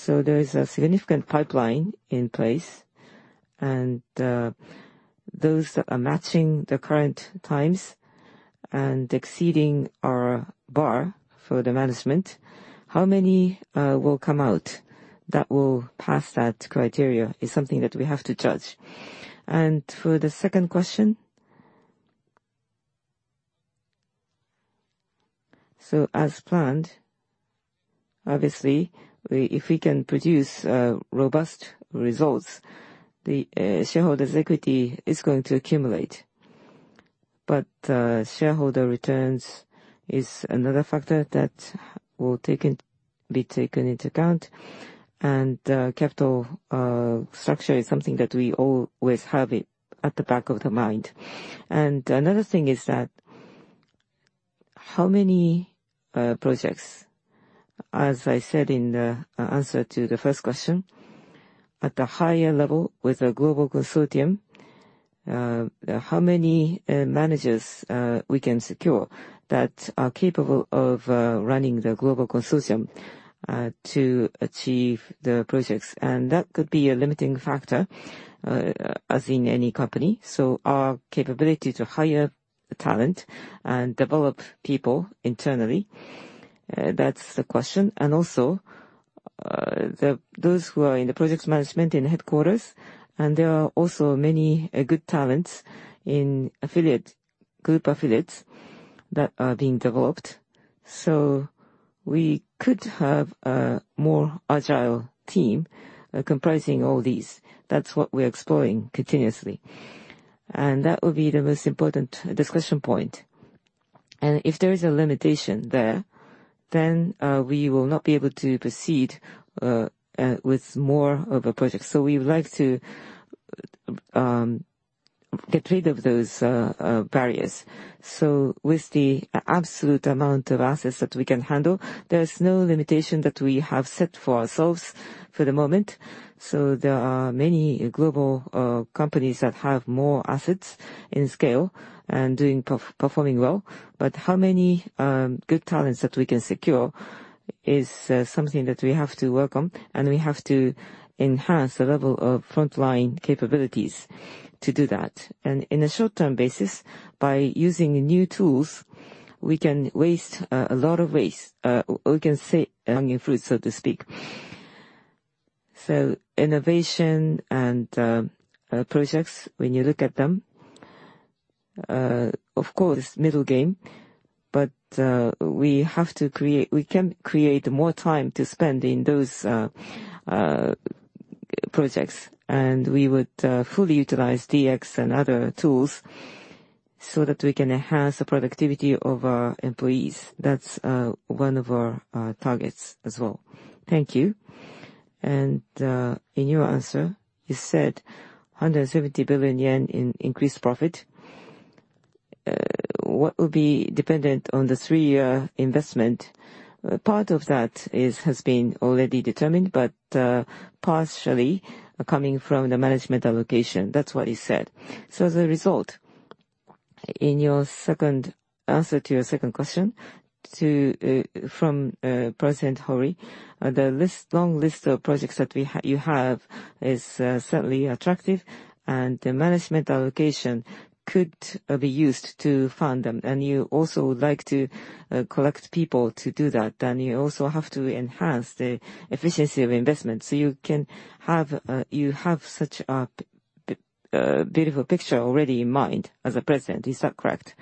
there is a significant pipeline in place, and those that are matching the current times and exceeding our bar for the management, how many, will come out that will pass that criteria is something that we have to judge. For the second question. As planned, obviously, if we can produce robust results, the shareholders' equity is going to accumulate. Shareholder returns is another factor that will be taken into account. Capital structure is something that we always have it at the back of the mind. Another thing is that how many projects, as I said in the answer to the first question, at the higher level with a global consortium, how many managers we can secure that are capable of running the global consortium to achieve the projects. That could be a limiting factor as in any company. Our capability to hire talent and develop people internally, that's the question. Also, those who are in the projects management in headquarters, and there are also many good talents in affiliate, group affiliates that are being developed. We could have a more agile team comprising all these. That's what we're exploring continuously. That would be the most important discussion point. If there is a limitation there, then we will not be able to proceed with more of a project. We would like to get rid of those barriers. With the absolute amount of assets that we can handle, there is no limitation that we have set for ourselves for the moment. There are many global companies that have more assets in scale and doing performing well. How many good talents that we can secure is something that we have to work on, and we have to enhance the level of frontline capabilities to do that. In a short-term basis, by using new tools, we can waste a lot of waste. We can save hanging fruit, so to speak. Innovation and projects, when you look at them, of course, middle game, but we can create more time to spend in those projects, and we would fully utilize DX and other tools so that we can enhance the productivity of our employees. That's one of our targets as well. Thank you. In your answer, you said 170 billion yen in increased profit. What would be dependent on the three year investment? Part of that is, has been already determined, but, partially coming from the Management Allocation. That's what you said. In your second, answer to your second question to, from, President Hori, the long list of projects that you have is certainly attractive, and the Management Allocation could be used to fund them. You also would like to collect people to do that, you also have to enhance the efficiency of investment so you can have such a beautiful picture already in mind as a president. Is that correct?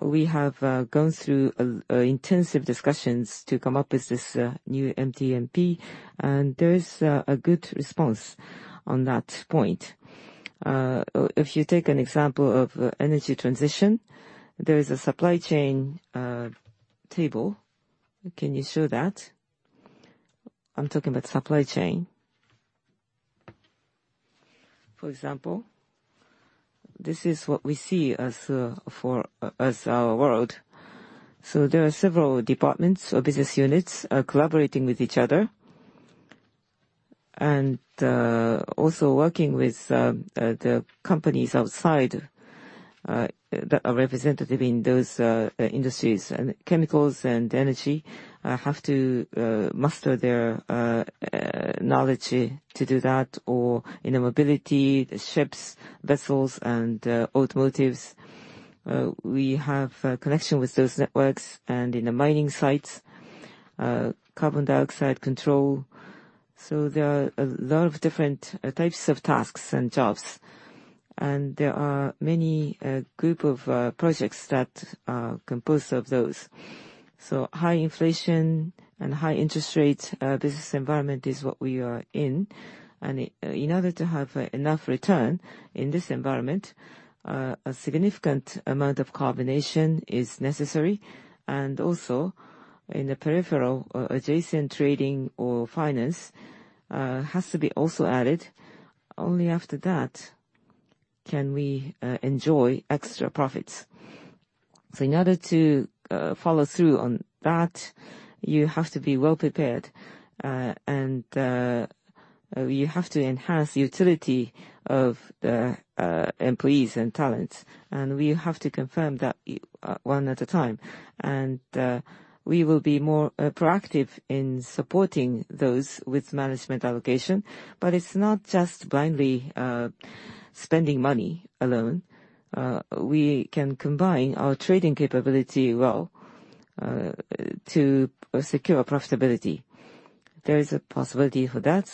We have gone through intensive discussions to come up with this new MTMP, and there is a good response on that point. If you take an example of energy transition, there is a supply chain table. Can you show that? I'm talking about supply chain. For example, this is what we see as for as our world. There are several departments or business units collaborating with each other and also working with the companies outside that are representative in those industries. Chemicals and energy have to master their knowledge to do that, or in the mobility, the ships, vessels and automotives. We have a connection with those networks and in the mining sites, carbon dioxide control. There are a lot of different types of tasks and jobs, and there are many group of projects that are composed of those. High inflation and high interest rates, business environment is what we are in. In order to have enough return in this environment, a significant amount of combination is necessary. Also in the peripheral adjacent trading or finance, has to be also added. Only after that can we enjoy extra profits. In order to follow through on that, you have to be well prepared, and we have to enhance the utility of the employees and talents, and we have to confirm that one at a time. We will be more proactive in supporting those with Management Allocation. It's not just blindly spending money alone. We can combine our trading capability well to secure profitability. There is a possibility for that.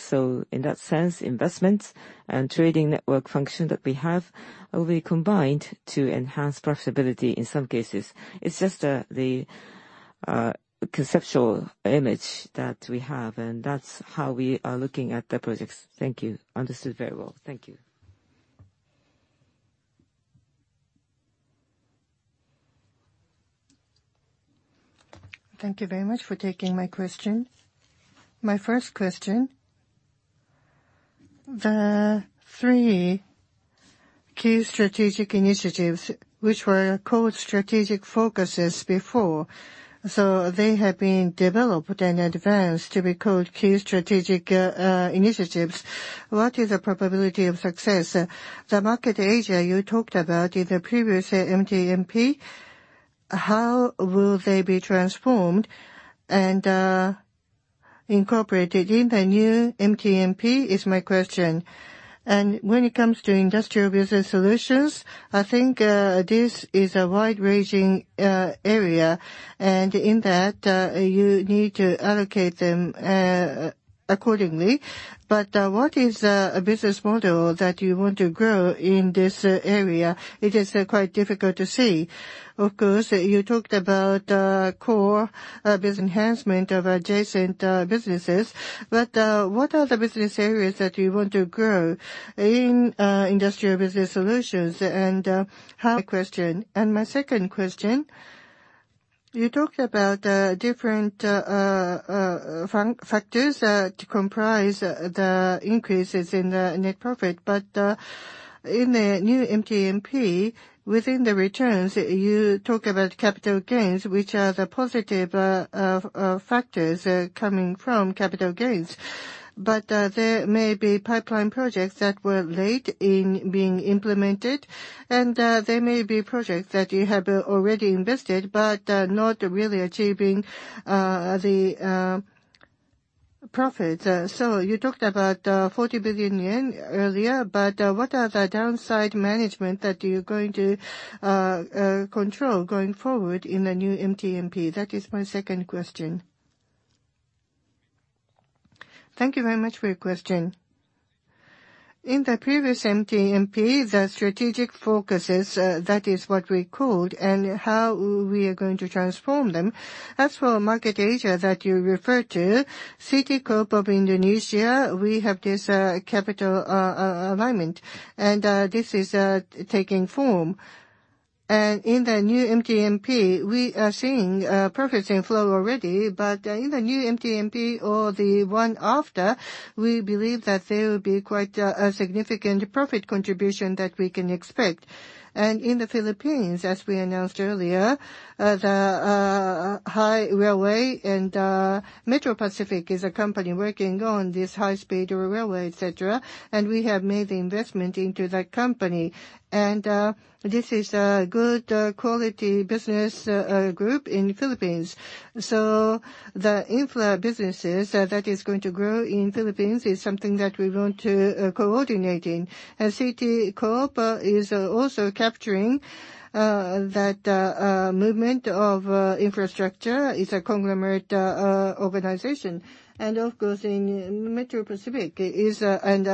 In that sense, investments and trading network function that we have will be combined to enhance profitability in some cases. It's just the conceptual image that we have, and that's how we are looking at the projects. Thank you. Understood very well. Thank you. Thank you very much for taking my question. My first question, the three Key Strategic Initiatives which were called strategic focuses before, they have been developed in advance to be called Key Strategic Initiatives. What is the probability of success? The Market Asia you talked about in the previous MTMP, how will they be transformed and incorporated in the new MTMP, is my question? When it comes to Industrial Business Solutions, I think this is a wide-ranging area. In that, you need to allocate them accordingly. What is a business model that you want to grow in this area? It is quite difficult to see. Of course, you talked about core business enhancement of adjacent businesses, but what are the business areas that you want to grow in Industrial Business Solutions and how? My question. My second question, you talked about different factors that comprise the increases in the net profit. In the new MTMP, within the returns, you talk about capital gains, which are the positive factors coming from capital gains. There may be pipeline projects that were late in being implemented, and there may be projects that you have already invested but are not really achieving the profits. You talked about 40 billion yen earlier, but what are the downside management that you're going to control going forward in the new MTMP? That is my second question. Thank you very much for your question. In the previous MTMP, the strategic focuses, that is what we called and how we are going to transform them. As for Market Asia that you referred to, CT Corp of Indonesia, we have this capital alignment, and this is taking form. In the new MTMP, we are seeing purchasing flow already. In the new MTMP or the one after, we believe that there will be quite a significant profit contribution that we can expect. In the Philippines, as we announced earlier, the high railway, and Metro Pacific is a company working on this high-speed railway, etc, and we have made the investment into that company. This is a good quality business group in Philippines. The infra businesses that is going to grow in Philippines is something that we want to coordinate in. CT Corp is also capturing that movement of infrastructure. It's a conglomerate organization. Of course in Metro Pacific is and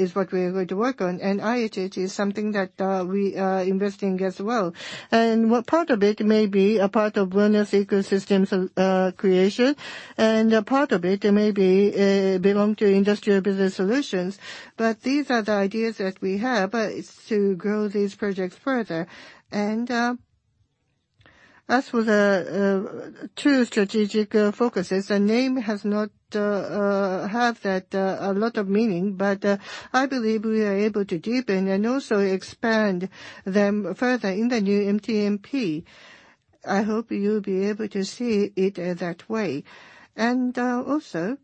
is what we are going to work on. IHH is something that we are investing as well. What part of it may be a part of Wellness Ecosystem Creation. A part of it may belong to Industrial Business Solutions. These are the ideas that we have is to grow these projects further. As for the two strategic focuses, the name has not have that a lot of meaning. I believe we are able to deepen and also expand them further in the new MTMP. I hope you'll be able to see it that way. Also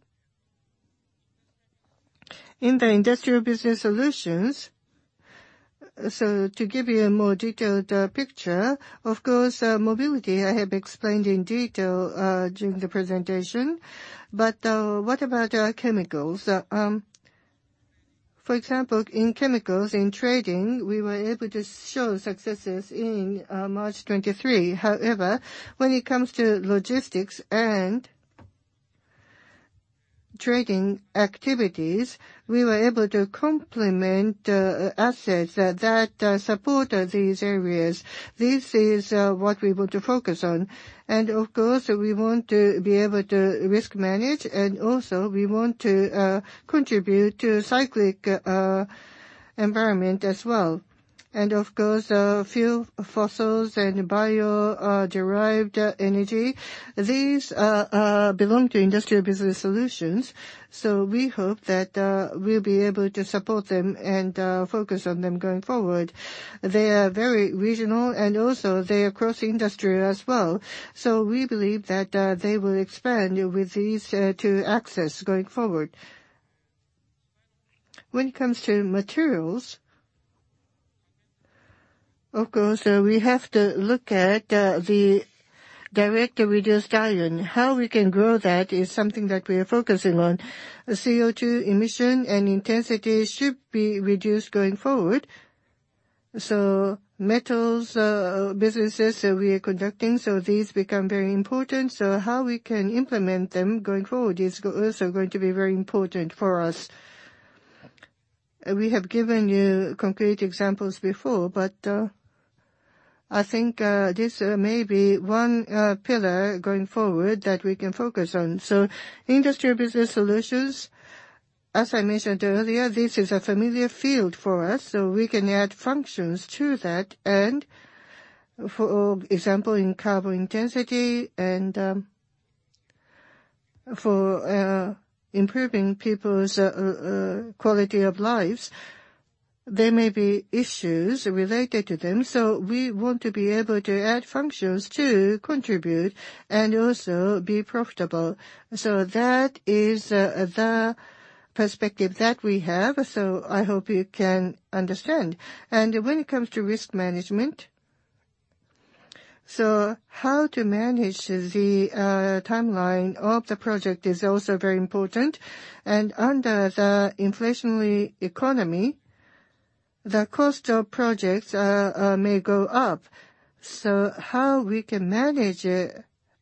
in the Industrial Business Solutions, to give you a more detailed picture, of course, mobility I have explained in detail during the presentation. What about our chemicals? For example, in chemicals, in trading, we were able to show successes in March 2023. However, when it comes to logistics and trading activities, we were able to complement assets that support these areas. This is what we want to focus on. Of course, we want to be able to risk manage, and also we want to contribute to cyclic environment as well. Of course, fuel, fossils and bio derived energy, these belong to Industrial Business Solutions. We hope that we'll be able to support them and focus on them going forward. They are very regional and also they are cross-industry as well. We believe that they will expand with these two axes going forward. When it comes to materials, of course, we have to look at the direct reduced iron. How we can grow that is something that we are focusing on. CO2 emission and intensity should be reduced going forward. Metals businesses we are conducting, these become very important. How we can implement them going forward is also going to be very important for us. We have given you concrete examples before, but I think this may be one pillar going forward that we can focus on. Industrial Business Solutions, as I mentioned earlier, this is a familiar field for us, we can add functions to that. For example, in carbon intensity and for improving people's quality of lives, there may be issues related to them. We want to be able to add functions to contribute and also be profitable. That is the perspective that we have. I hope you can understand. When it comes to risk management, how to manage the timeline of the project is also very important. Under the inflationary economy, the cost of projects may go up. How we can manage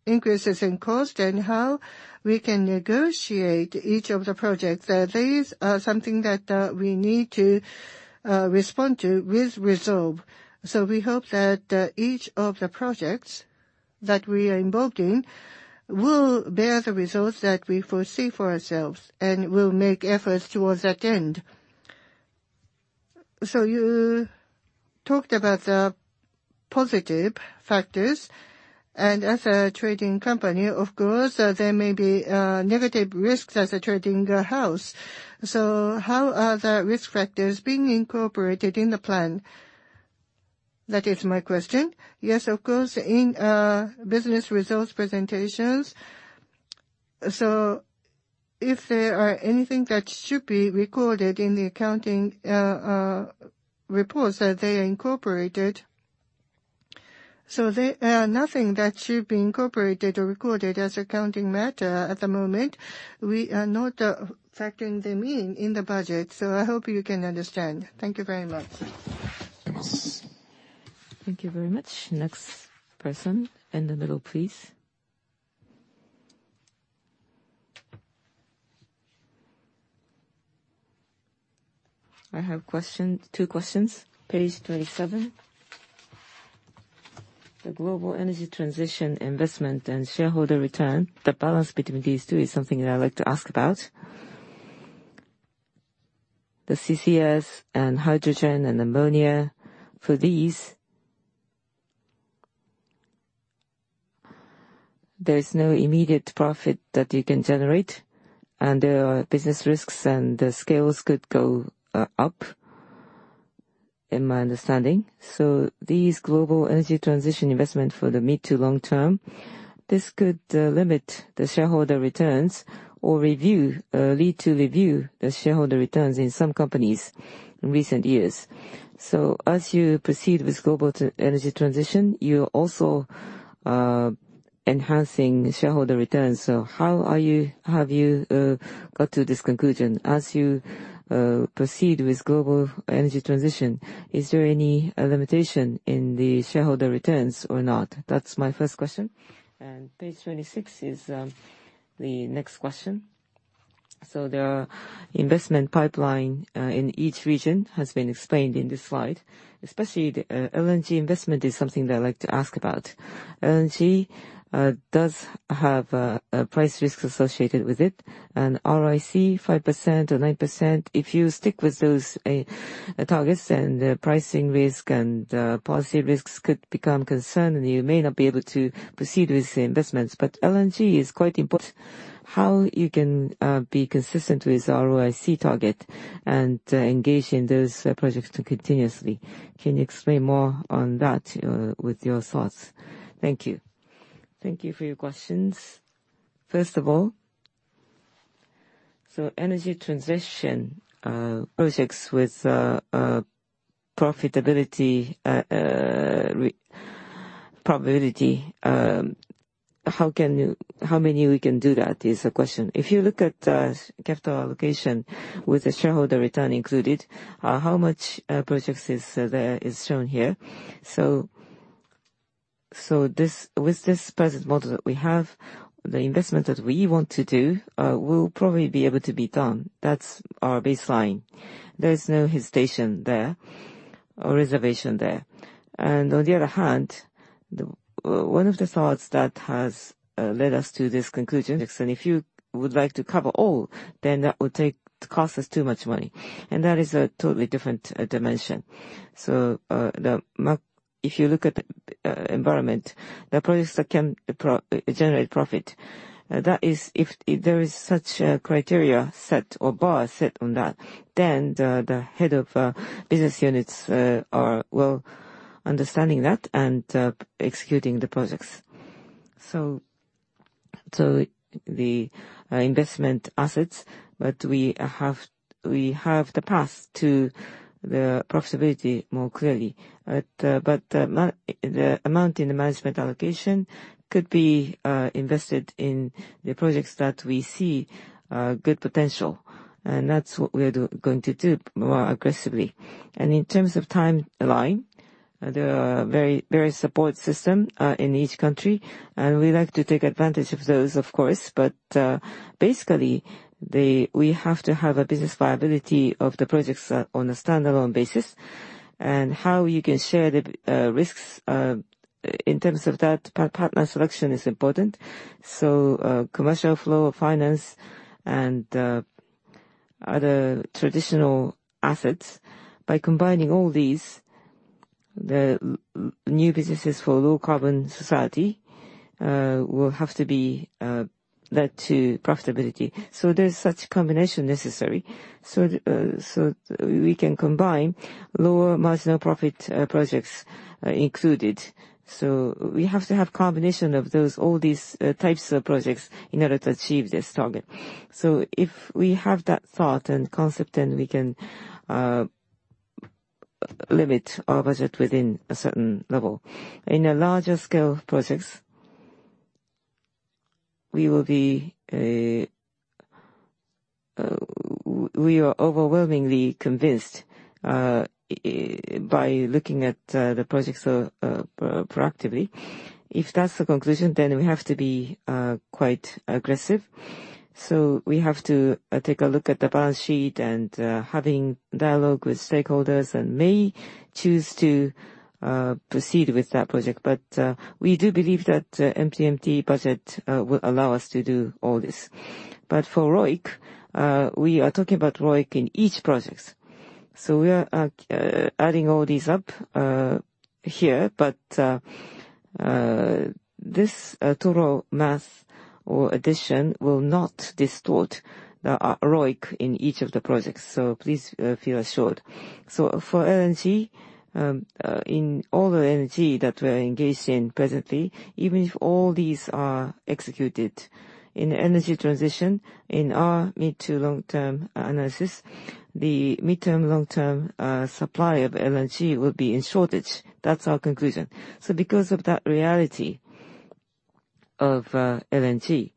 increases in cost and how we can negotiate each of the projects, these are something that we need to respond to with resolve. We hope that each of the projects that we are involved in will bear the results that we foresee for ourselves, and we'll make efforts towards that end. You talked about the positive factors, and as a trading company, of course, there may be negative risks as a trading house. How are the risk factors being incorporated in the plan? That is my question. Yes, of course. In business results presentations, if there are anything that should be recorded in the accounting reports, they are incorporated. Nothing that should be incorporated or recorded as accounting matter at the moment. We are not factoring them in the budget, I hope you can understand. Thank you very much. Thank you very much. Next person in the middle, please. I have two questions. Page 27, the Global Energy Transition investment and shareholder return, the balance between these two is something that I'd like to ask about. The CCS and hydrogen and ammonia, for these there's no immediate profit that you can generate, and there are business risks, and the scales could go up, in my understanding. These Global Energy Transition investment for the mid to long term, this could limit the shareholder returns or lead to review the shareholder returns in some companies in recent years. As you proceed with Global Energy Transition, you're also enhancing shareholder returns. How have you got to this conclusion? As you proceed with Global Energy Transition, is there any limitation in the shareholder returns or not? That's my first question. Page 26 is the next question. There are investment pipeline in each region, has been explained in this slide. Especially the LNG investment is something that I'd like to ask about. LNG does have price risks associated with it, and ROIC 5% or 9%, if you stick with those targets, then the pricing risk and policy risks could become concerned, and you may not be able to proceed with the investments. LNG is quite. How you can be consistent with ROIC target and engage in those projects continuously. Can you explain more on that with your thoughts? Thank you. Thank you for your questions. First of all, energy transition projects with profitability. How many we can do that is the question. If you look at capital allocation with the shareholder return included, how much projects is there is shown here. With this present model that we have, the investment that we want to do will probably be able to be done. That's our baseline. There is no hesitation there or reservation there. On the other hand, the one of the thoughts that has led us to this conclusion, because then if you would like to cover all, then that would cost us too much money. That is a totally different dimension. If you look at the environment, the projects that can generate profit, that is if there is such a criteria set or bar set on that, then the head of business units are well understanding that and executing the projects. The investment assets that we have, we have the path to the profitability more clearly. The amount in the Management Allocation could be invested in the projects that we see good potential. That's what we are going to do more aggressively. In terms of timeline, there are very support system in each country, and we like to take advantage of those, of course. Basically, we have to have a business viability of the projects on a standalone basis. How you can share the risks in terms of that, partner selection is important. Commercial flow of finance and other traditional assets, by combining all these, the new businesses for low carbon society will have to be led to profitability. There is such combination necessary. We can combine lower marginal profit projects included. We have to have combination of those, all these types of projects in order to achieve this target. If we have that thought and concept, then we can limit our budget within a certain level. In a larger scale of projects, we are overwhelmingly convinced by looking at the projects proactively. If that's the conclusion, then we have to be quite aggressive. We have to take a look at the balance sheet and having dialogue with stakeholders and may choose to proceed with that project. We do believe that MTMP budget will allow us to do all this. For ROIC, we are talking about ROIC in each projects. We are adding all these up here, but this total math or addition will not distort the ROIC in each of the projects, so please feel assured. For LNG, in all the LNG that we're engaged in presently, even if all these are executed in energy transition, in our mid-to-long-term analysis, the mid-to-long-term supply of LNG will be in shortage. That's our conclusion. Because of that reality of LNG,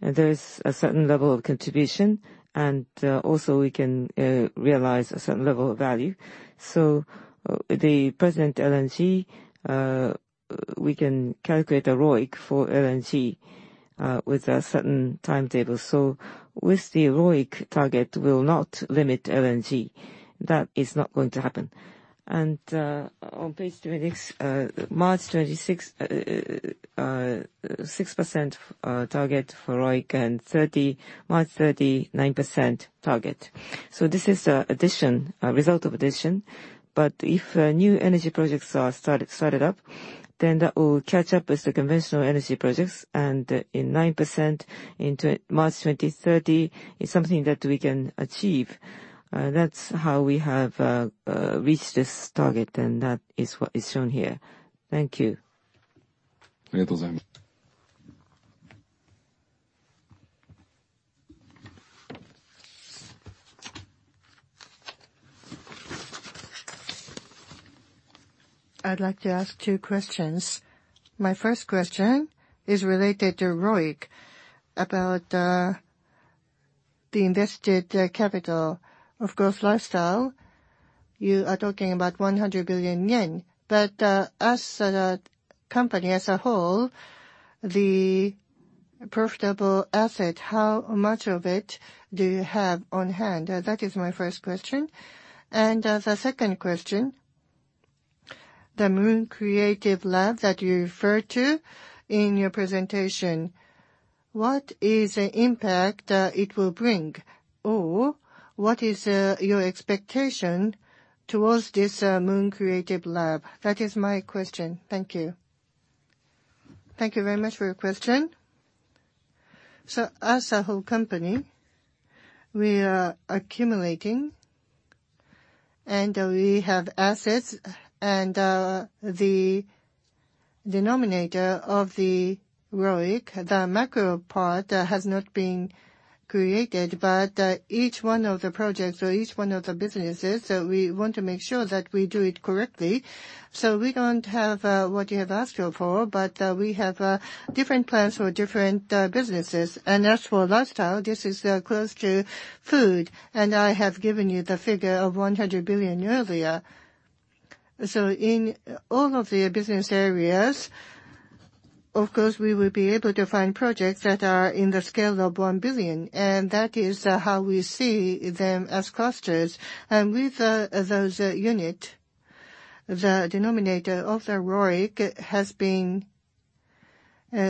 there is a certain level of contribution, and also we can realize a certain level of value. The present LNG, we can calculate a ROIC for LNG with a certain timetable. With the ROIC target will not limit LNG. That is not going to happen. On page 26, March 2026, 6% target for ROIC and 30, March 2030, 9% target. This is addition, a result of addition. If new energy projects are started up, then that will catch up with the conventional energy projects and in 9% into March 2030 is something that we can achieve. That's how we have reached this target, and that is what is shown here. Thank you. I'd like to ask two questions. My first question is related to ROIC about the invested capital. Of course, lifestyle, you are talking about 100 billion yen. As a company as a whole, the profitable asset, how much of it do you have on hand? That is my first question. The second question, the Moon Creative Lab that you refer to in your presentation, what is the impact it will bring? What is your expectation towards this Moon Creative Lab? That is my question. Thank you. Thank you very much for your question. As a whole company, we are accumulating and we have assets and the denominator of the ROIC, the macro part, has not been created. Each one of the projects or each one of the businesses, we want to make sure that we do it correctly. We don't have what you have asked here for, but we have different plans for different businesses. As for lifestyle, this is close to food. I have given you the figure of 100 billion earlier. In all of the business areas, of course, we will be able to find projects that are in the scale of 1 billion, and that is how we see them as clusters. With those unit, the denominator of the ROIC has been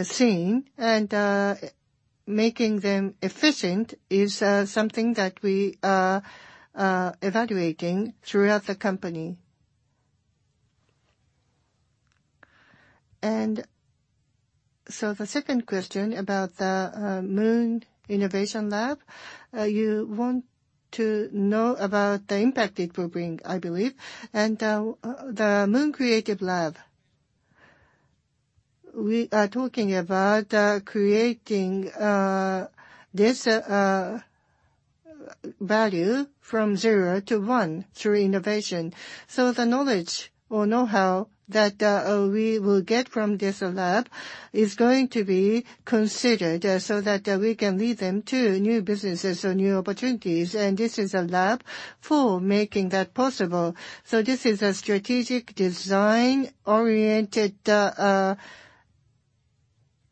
seen and making them efficient is something that we are evaluating throughout the company. The second question about the Moon Creative Lab, you want to know about the impact it will bring, I believe. The Moon Creative Lab, we are talking about creating this value from zero-one through innovation. The knowledge or know-how that we will get from this lab is going to be considered so that we can lead them to new businesses or new opportunities. This is a lab for making that possible. This is a strategic design-oriented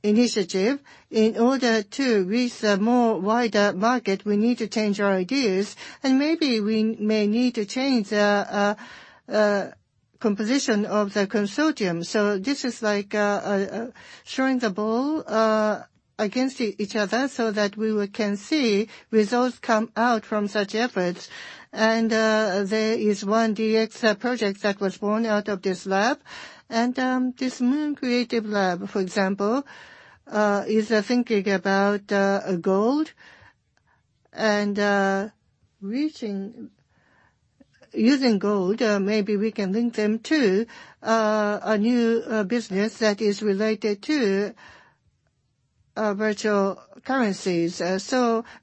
initiative. In order to reach a more wider market, we need to change our ideas, and maybe we may need to change the composition of the consortium. This is like throwing the ball against each other so that we will can see results come out from such efforts. There is one DX project that was born out of this lab. This Moon Creative Lab, for example, is thinking about gold and using gold, maybe we can link them to a new business that is related to virtual currencies.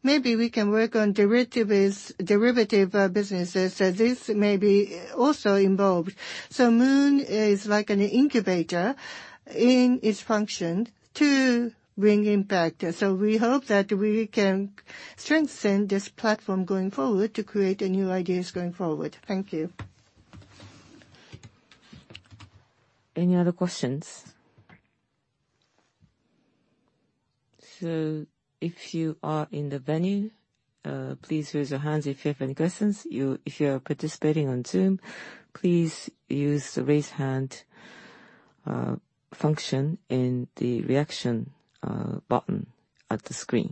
Maybe we can work on derivative businesses. This may be also involved. Moon is like an incubator in its function to bring impact. We hope that we can strengthen this platform going forward to create new ideas going forward. Thank you. Any other questions? If you are in the venue, please raise your hands if you have any questions. If you are participating on Zoom, please use the raise hand function in the reaction button at the screen.